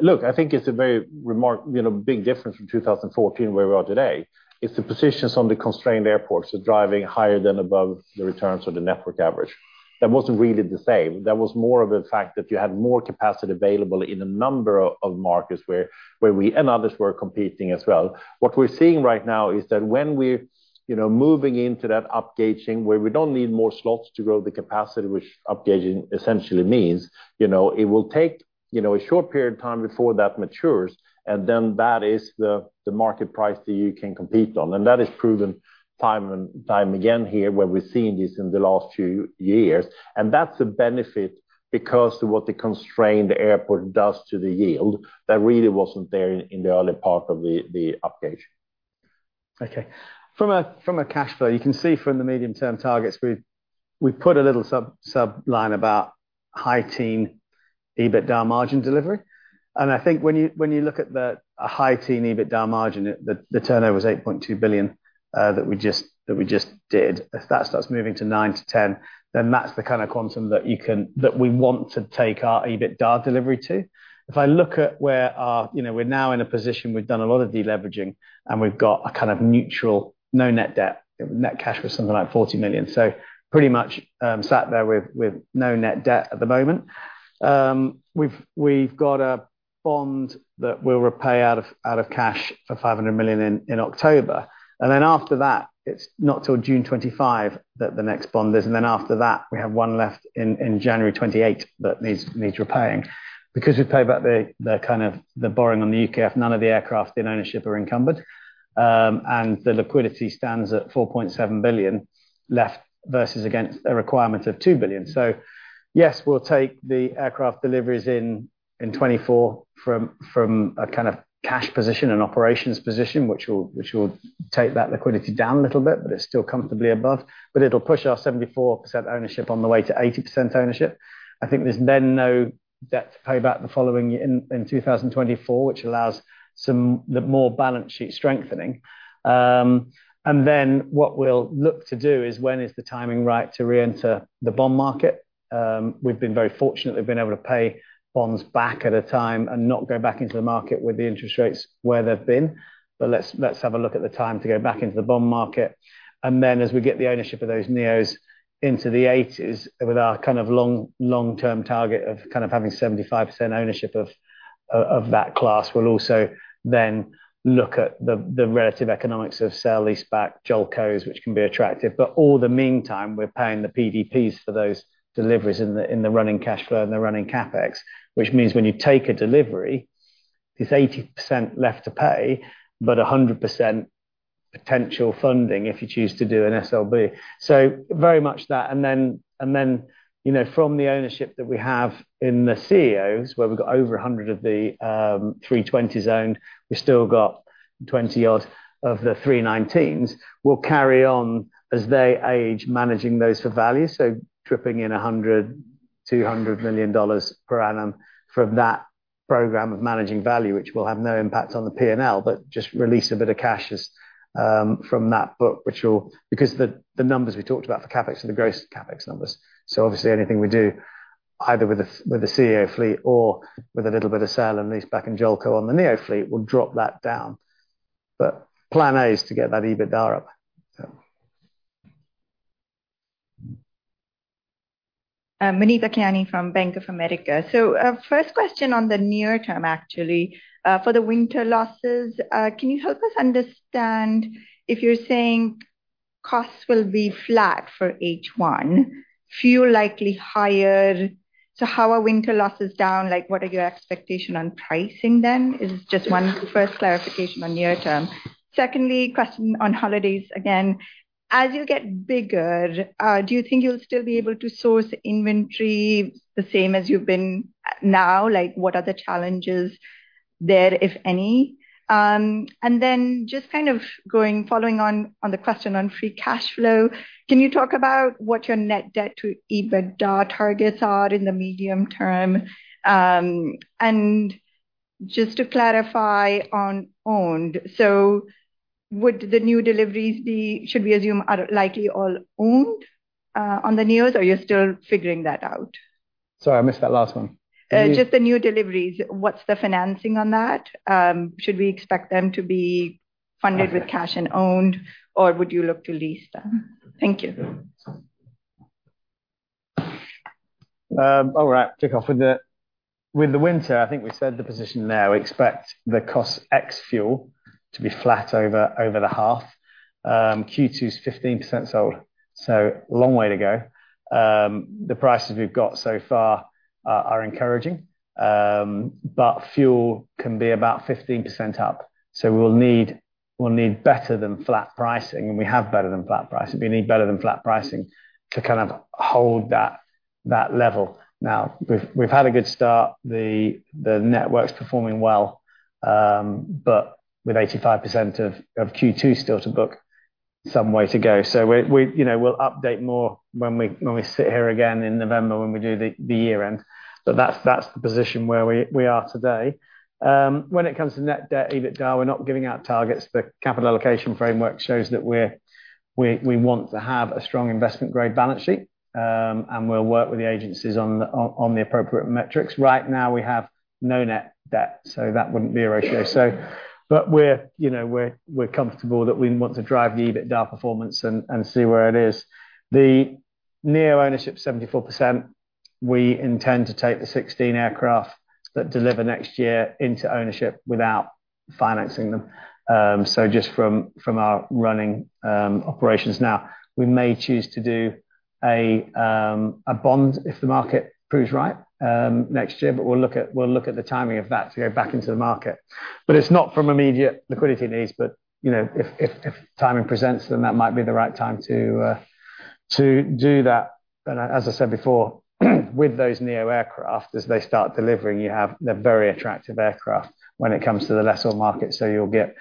Look, I think it's a very remarkable, you know, big difference from 2014, where we are today. It's the positions on the constrained airports are driving higher than above the returns or the network average. That wasn't really the same. That was more of a fact that you had more capacity available in a number of markets where we and others were competing as well. What we're seeing right now is that when we're, you know, moving into that upgauging, where we don't need more slots to grow the capacity, which upgauging essentially means, you know, it will take, you know, a short period of time before that matures, and then that is the market price that you can compete on. That is proven time and time again here, where we've seen this in the last few years. That's a benefit because of what the constrained airport does to the yield. That really wasn't there in the early part of the upgauging. Okay. From a cash flow, you can see from the medium-term targets, we've put a little sub, sub-line about high teen EBITDAR margin delivery. I think when you look at a high teen EBITDAR margin, the turnover was 8.2 billion that we just did. If that starts moving to 9 billion-10 billion, then that's the kind of quantum that we want to take our EBITDAR delivery to. If I look at where our, you know, we're now in a position, we've done a lot of deleveraging, and we've got a kind of neutral, no net debt. Net cash was something like 40 million, so pretty much sat there with no net debt at the moment. We've got a bond that we'll repay out of cash for 500 million in October. And then after that, it's not till June 2025 that the next bond is, and then after that, we have one left in January 2028 that needs repaying. Because we've paid back the borrowing on the UKEF, none of the aircraft in ownership are encumbered, and the liquidity stands at 4.7 billion left versus against a requirement of 2 billion. So yes, we'll take the aircraft deliveries in 2024 from a cash position and operations position, which will take that liquidity down a little bit, but it's still comfortably above. But it'll push our 74% ownership on the way to 80% ownership. I think there's then no debt to pay back the following year in 2024, which allows some more balance sheet strengthening. And then what we'll look to do is, when is the timing right to reenter the bond market? We've been very fortunate that we've been able to pay bonds back at a time and not go back into the market with the interest rates where they've been. But let's have a look at the time to go back into the bond market. And then, as we get the ownership of those NEOs into the 80s, with our kind of long, long-term target of kind of having 75% ownership of, of that class, we'll also then look at the, the relative economics of sale, lease back, JOLCOs, which can be attractive. But all the meantime, we're paying the PDPs for those deliveries in the, in the running cash flow and the running CapEx, which means when you take a delivery, there's 80% left to pay, but 100% potential funding if you choose to do an SLB. So very much that, and then, and then, you know, from the ownership that we have in the CEOs, where we've got over 100 of the 320s owned, we've still got 20-odd of the 319s. We'll carry on as they age, managing those for value, so dripping in $100 million-$200 million per annum from that program of managing value, which will have no impact on the P&L, but just release a bit of cash as from that book, which will, because the numbers we talked about for CapEx are the gross CapEx numbers. So obviously, anything we do, either with the CEO fleet or with a little bit of sale and lease back in JOLCO on the NEO fleet, will drop that down. But plan A is to get that EBITDA up, so. Muneeba Kayani from Bank of America. So, first question on the near term, actually, for the winter losses, can you help us understand if you're saying costs will be flat for H1, fuel likely higher, so how are winter losses down? Like, what are your expectation on pricing then? Is just one first clarification on near term. Secondly, question on holidays again. As you get bigger, do you think you'll still be able to source inventory the same as you've been now? Like, what are the challenges there, if any? And then just kind of going, following on, on the question on free cash flow, can you talk about what your net debt to EBITDA targets are in the medium term? And just to clarify on owned, so would the new deliveries be, should we assume, are likely all owned, on the NEOs, or you're still figuring that out? Sorry, I missed that last one. Just the new deliveries, what's the financing on that? Should we expect them to be funded with cash and owned, or would you look to lease them? Thank you. All right. Kick off with the winter, I think we said the position there. We expect the cost ex fuel to be flat over the half. Q2 is 15% sold, so long way to go. The prices we've got so far are encouraging, but fuel can be about 15% up, so we'll need better than flat pricing, and we have better than flat pricing. We need better than flat pricing to kind of hold that level. Now, we've had a good start. The network's performing well, with 85% of Q2 still to book, some way to go. We, you know, we'll update more when we sit here again in November, when we do the year end. That's the position where we are today. When it comes to net debt, EBITDA, we're not giving out targets. The capital allocation framework shows that we, we want to have a strong investment-grade balance sheet, and we'll work with the agencies on the, on the appropriate metrics. Right now, we have no net debt, so that wouldn't be a ratio. We're, you know, we're comfortable that we want to drive the EBITDA performance and, and see where it is. The NEO ownership, 74%. We intend to take the 16 aircraft that deliver next year into ownership without financing them, just from our running operations now. We may choose to do a bond if the market proves right next year, but we'll look at, we'll look at the timing of that to go back into the market. But it's not from immediate liquidity needs, but, you know, if timing presents, then that might be the right time to do that. And as I said before, with those NEO aircraft, as they start delivering, you have the very attractive aircraft when it comes to the lessor market. So you'll get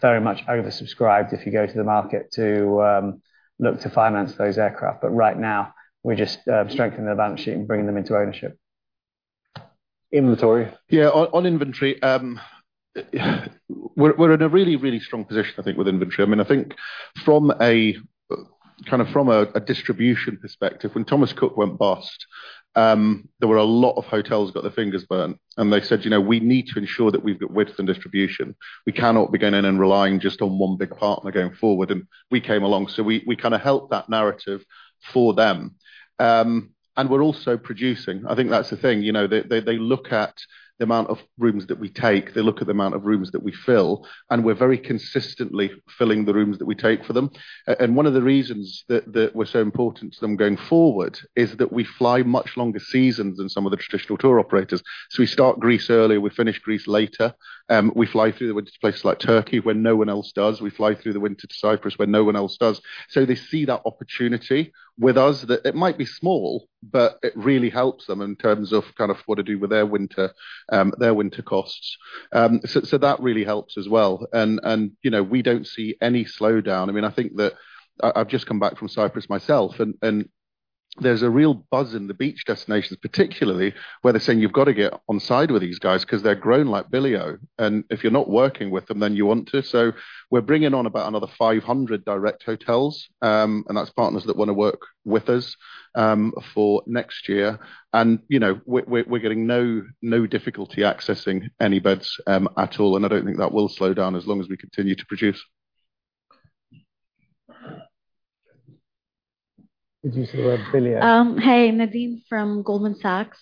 very much oversubscribed if you go to the market to look to finance those aircraft. But right now, we're just strengthening the balance sheet and bringing them into ownership. Inventory. Yeah, on inventory, we're in a really, really strong position, I think, with inventory. I mean, I think from a kind of distribution perspective, when Thomas Cook went bust, there were a lot of hotels got their fingers burnt, and they said, "You know, we need to ensure that we've got width and distribution. We cannot be going in and relying just on one big partner going forward," and we came along. So we kind of helped that narrative for them. And we're also producing. I think that's the thing, you know, they look at the amount of rooms that we take, they look at the amount of rooms that we fill, and we're very consistently filling the rooms that we take for them. And one of the reasons that, that we're so important to them going forward is that we fly much longer seasons than some of the traditional tour operators. So we start Greece earlier, we finish Greece later, we fly through the winter to places like Turkey, when no one else does. We fly through the winter to Cyprus, when no one else does. So they see that opportunity with us, that it might be small, but it really helps them in terms of kind of what to do with their winter, their winter costs. So, so that really helps as well. And, and, you know, we don't see any slowdown. I mean, I think that I've just come back from Cyprus myself, and there's a real buzz in the beach destinations, particularly, where they're saying, "You've got to get on side with these guys 'cause they're growing like billion. And if you're not working with them, then you want to." So we're bringing on about another 500 direct hotels, and that's partners that wanna work with us, for next year. And, you know, we're getting no difficulty accessing any beds at all, and I don't think that will slow down as long as we continue to produce. Did you say billio? Hey, Nadine from Goldman Sachs.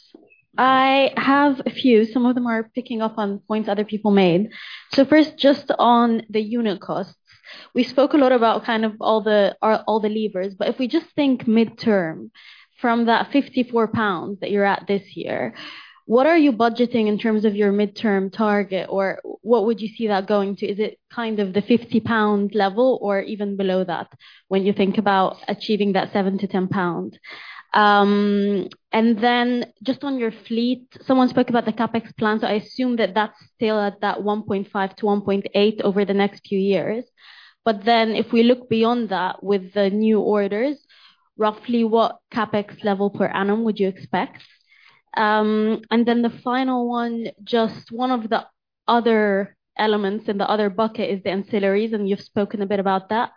I have a few. Some of them are picking up on points other people made. So first, just on the unit costs. We spoke a lot about kind of all the levers, but if we just think midterm, from that 54 pounds that you're at this year, what are you budgeting in terms of your midterm target, or what would you see that going to? Is it kind of the 50 pound level or even below that, when you think about achieving that 7-10 pounds? And then just on your fleet, someone spoke about the CapEx plan, so I assume that that's still at that 1.5-1.8 over the next few years. But then, if we look beyond that with the new orders, roughly what CapEx level per annum would you expect? And then the final one, just one of the other elements in the other bucket is the ancillaries, and you've spoken a bit about that.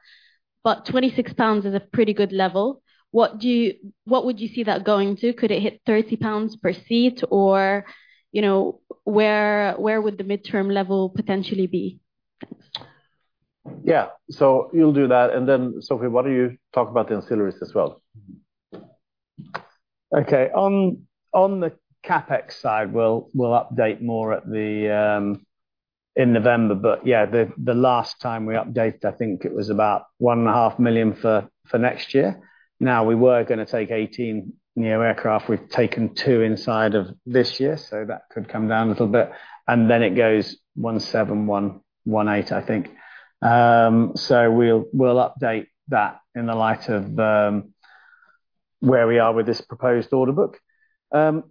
But 26 pounds is a pretty good level. What do you see that going to? Could it hit 30 pounds per seat, or, you know, where would the midterm level potentially be? Yeah. So you'll do that, and then, Sophie, why don't you talk about the ancillaries as well? Okay. On the CapEx side, we'll update more at the in November. But, yeah, the last time we updated, I think it was about 1.5 million for next year. Now, we were gonna take 18 new aircraft. We've taken 2 inside of this year, so that could come down a little bit, and then it goes 17 million, 11 million, 18 million, I think. So we'll update that in the light of where we are with this proposed order book. I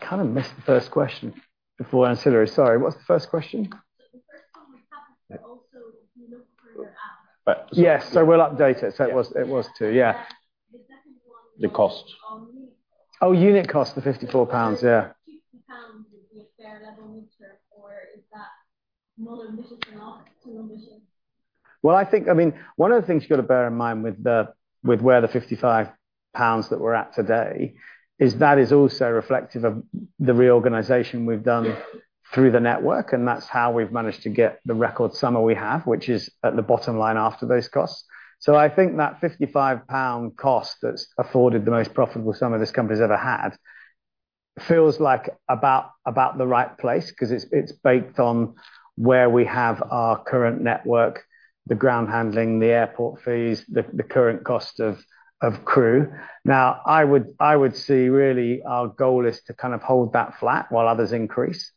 kind of missed the first question before ancillary. Sorry, what's the first question? The first one was, also, you look for your app. Yes. We'll update it. It was, it was two. Yeah. The second one- The cost. On unit. Oh, unit cost, the 54 pounds. Yeah. GBP 50, would be a fair level mid-term, or is that more ambitious or not too ambitious? Well, I think, I mean, one of the things you got to bear in mind with where the 55 pounds that we're at today is, that is also reflective of the reorganization we've done through the network, and that's how we've managed to get the record summer we have, which is at the bottom line after those costs. I think that 55 pound cost that's afforded the most profitable summer this company's ever had feels like about the right place, 'cause it's baked on where we have our current network, the ground handling, the airport fees, the current cost of crew. Now, I would see, really, our goal is to kind of hold that flat while others increase.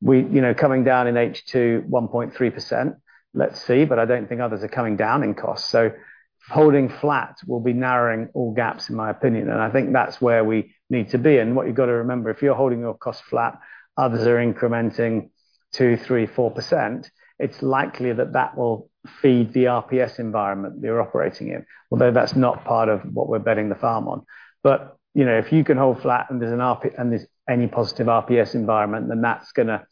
We, you know, coming down in H2, 1.3%. Let's see, but I don't think others are coming down in cost. So holding flat will be narrowing all gaps, in my opinion, and I think that's where we need to be. And what you've got to remember, if you're holding your cost flat, others are incrementing 2, 3, 4%, it's likely that that will feed the RPS environment we are operating in, although that's not part of what we're betting the farm on. But, you know, if you can hold flat and there's an RPS, and there's any positive RPS environment, then that's gonna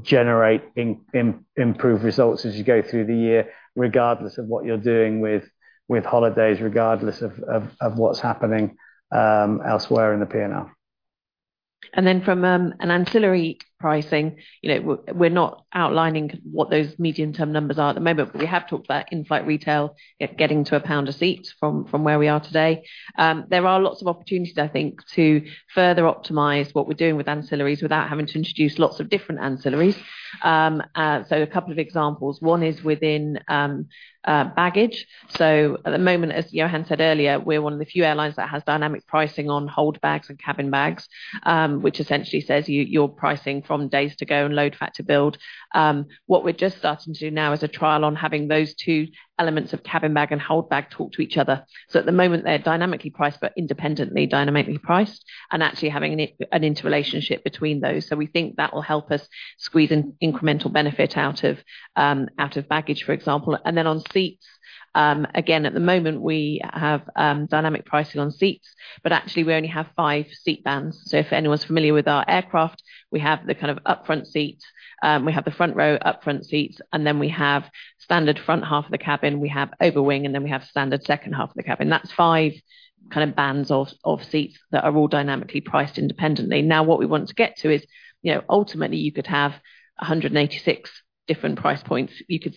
generate improved results as you go through the year, regardless of what you're doing with holidays, regardless of what's happening elsewhere in the P&L. And then from an ancillary pricing, you know, we're, we're not outlining what those medium-term numbers are at the moment, but we have talked about in-flight retail, it getting to GBP 1 a seat from where we are today. There are lots of opportunities, I think, to further optimize what we're doing with ancillaries without having to introduce lots of different ancillaries. So a couple of examples. One is within baggage. So at the moment, as Johan said earlier, we're one of the few airlines that has dynamic pricing on hold bags and cabin bags, which essentially says you, you're pricing from days to go and load factor build. What we're just starting to do now is a trial on having those two elements of cabin bag and hold bag talk to each other. So at the moment, they're dynamically priced, but independently dynamically priced, and actually having an interrelationship between those. So we think that will help us squeeze an incremental benefit out of, out of baggage, for example. And then on seats, again, at the moment, we have dynamic pricing on seats, but actually, we only have five seat bands. So if anyone's familiar with our aircraft, we have the kind of upfront seats, we have the front row upfront seats, and then we have standard front half of the cabin, we have overwing, and then we have standard second half of the cabin. That's five kind of bands of seats that are all dynamically priced independently. Now, what we want to get to is, you know, ultimately, you could have 186 different price points. You could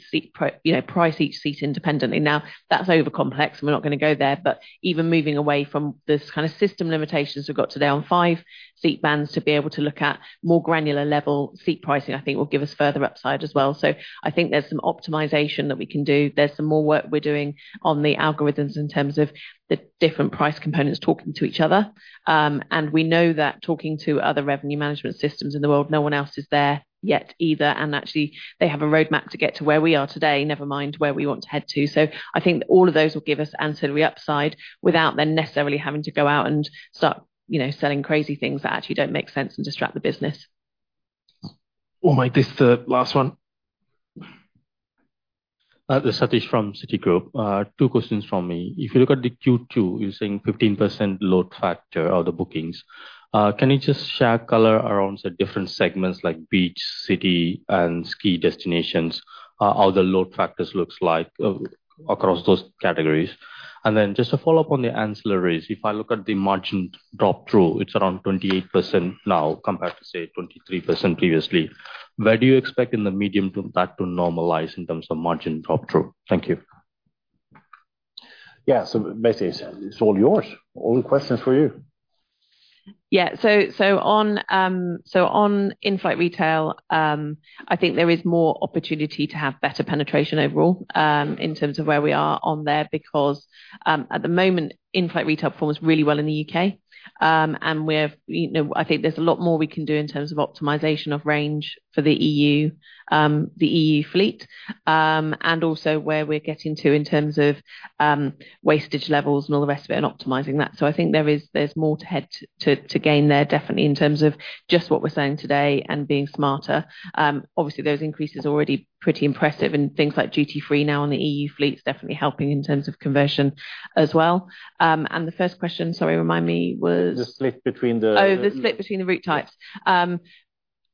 price each seat independently. Now, that's overcomplex, and we're not gonna go there, but even moving away from this kind of system limitations we've got today on five seat bands to be able to look at more granular level seat pricing, I think will give us further upside as well. So I think there's some optimization that we can do. There's some more work we're doing on the algorithms in terms of the different price components talking to each other. And we know that talking to other revenue management systems in the world, no one else is there yet either. And actually, they have a roadmap to get to where we are today, never mind where we want to head to. I think all of those will give us ancillary upside without then necessarily having to go out and start, you know, selling crazy things that actually don't make sense and distract the business. Well, Mike, this is the last one. Satish from Citigroup. Two questions from me. If you look at the Q2, you're saying 15% load factor of the bookings. Can you just share color around the different segments like beach, city, and ski destinations, how the load factors looks like, across those categories? And then just to follow up on the ancillaries, if I look at the margin drop-through, it's around 28% now, compared to, say, 23% previously. Where do you expect in the medium term that to normalize in terms of margin drop-through? Thank you. Yeah, so Sophie, it's all yours. All the questions for you. Yeah. So, on in-flight retail, I think there is more opportunity to have better penetration overall, in terms of where we are on there, because, at the moment, in-flight retail performs really well in the U.K.. And we're, you know, I think there's a lot more we can do in terms of optimization of range for the EU, the EU fleet, and also where we're getting to in terms of, wastage levels and all the rest of it, and optimizing that. So I think there is, there's more to be had to gain there, definitely, in terms of just what we're saying today and being smarter. Obviously, those increases are already pretty impressive, and things like duty-free now on the EU fleet is definitely helping in terms of conversion as well. The first question, sorry, remind me, was? The split between the- Oh, the split between the route types.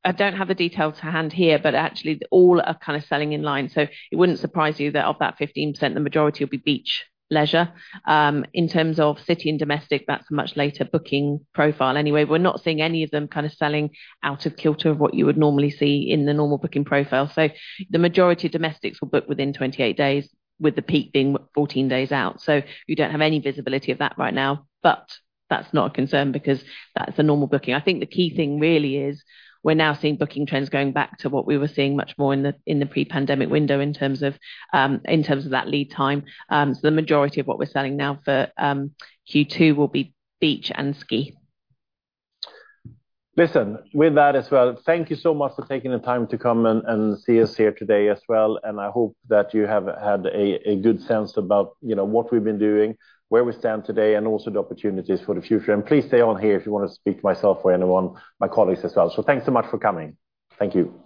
I don't have the details to hand here, but actually, all are kind of selling in line. So it wouldn't surprise you that of that 15%, the majority will be beach leisure. In terms of city and domestic, that's a much later booking profile anyway. We're not seeing any of them kind of selling out of kilter of what you would normally see in the normal booking profile. So the majority of domestics will book within 28 days, with the peak being 14 days out. So you don't have any visibility of that right now, but that's not a concern because that's a normal booking. I think the key thing really is, we're now seeing booking trends going back to what we were seeing much more in the pre-pandemic window in terms of that lead time. So the majority of what we're selling now for Q2 will be beach and ski. Listen, with that as well, thank you so much for taking the time to come and see us here today as well. And I hope that you have had a good sense about, you know, what we've been doing, where we stand today, and also the opportunities for the future. And please stay on here if you want to speak to myself or anyone, my colleagues as well. So thanks so much for coming. Thank you.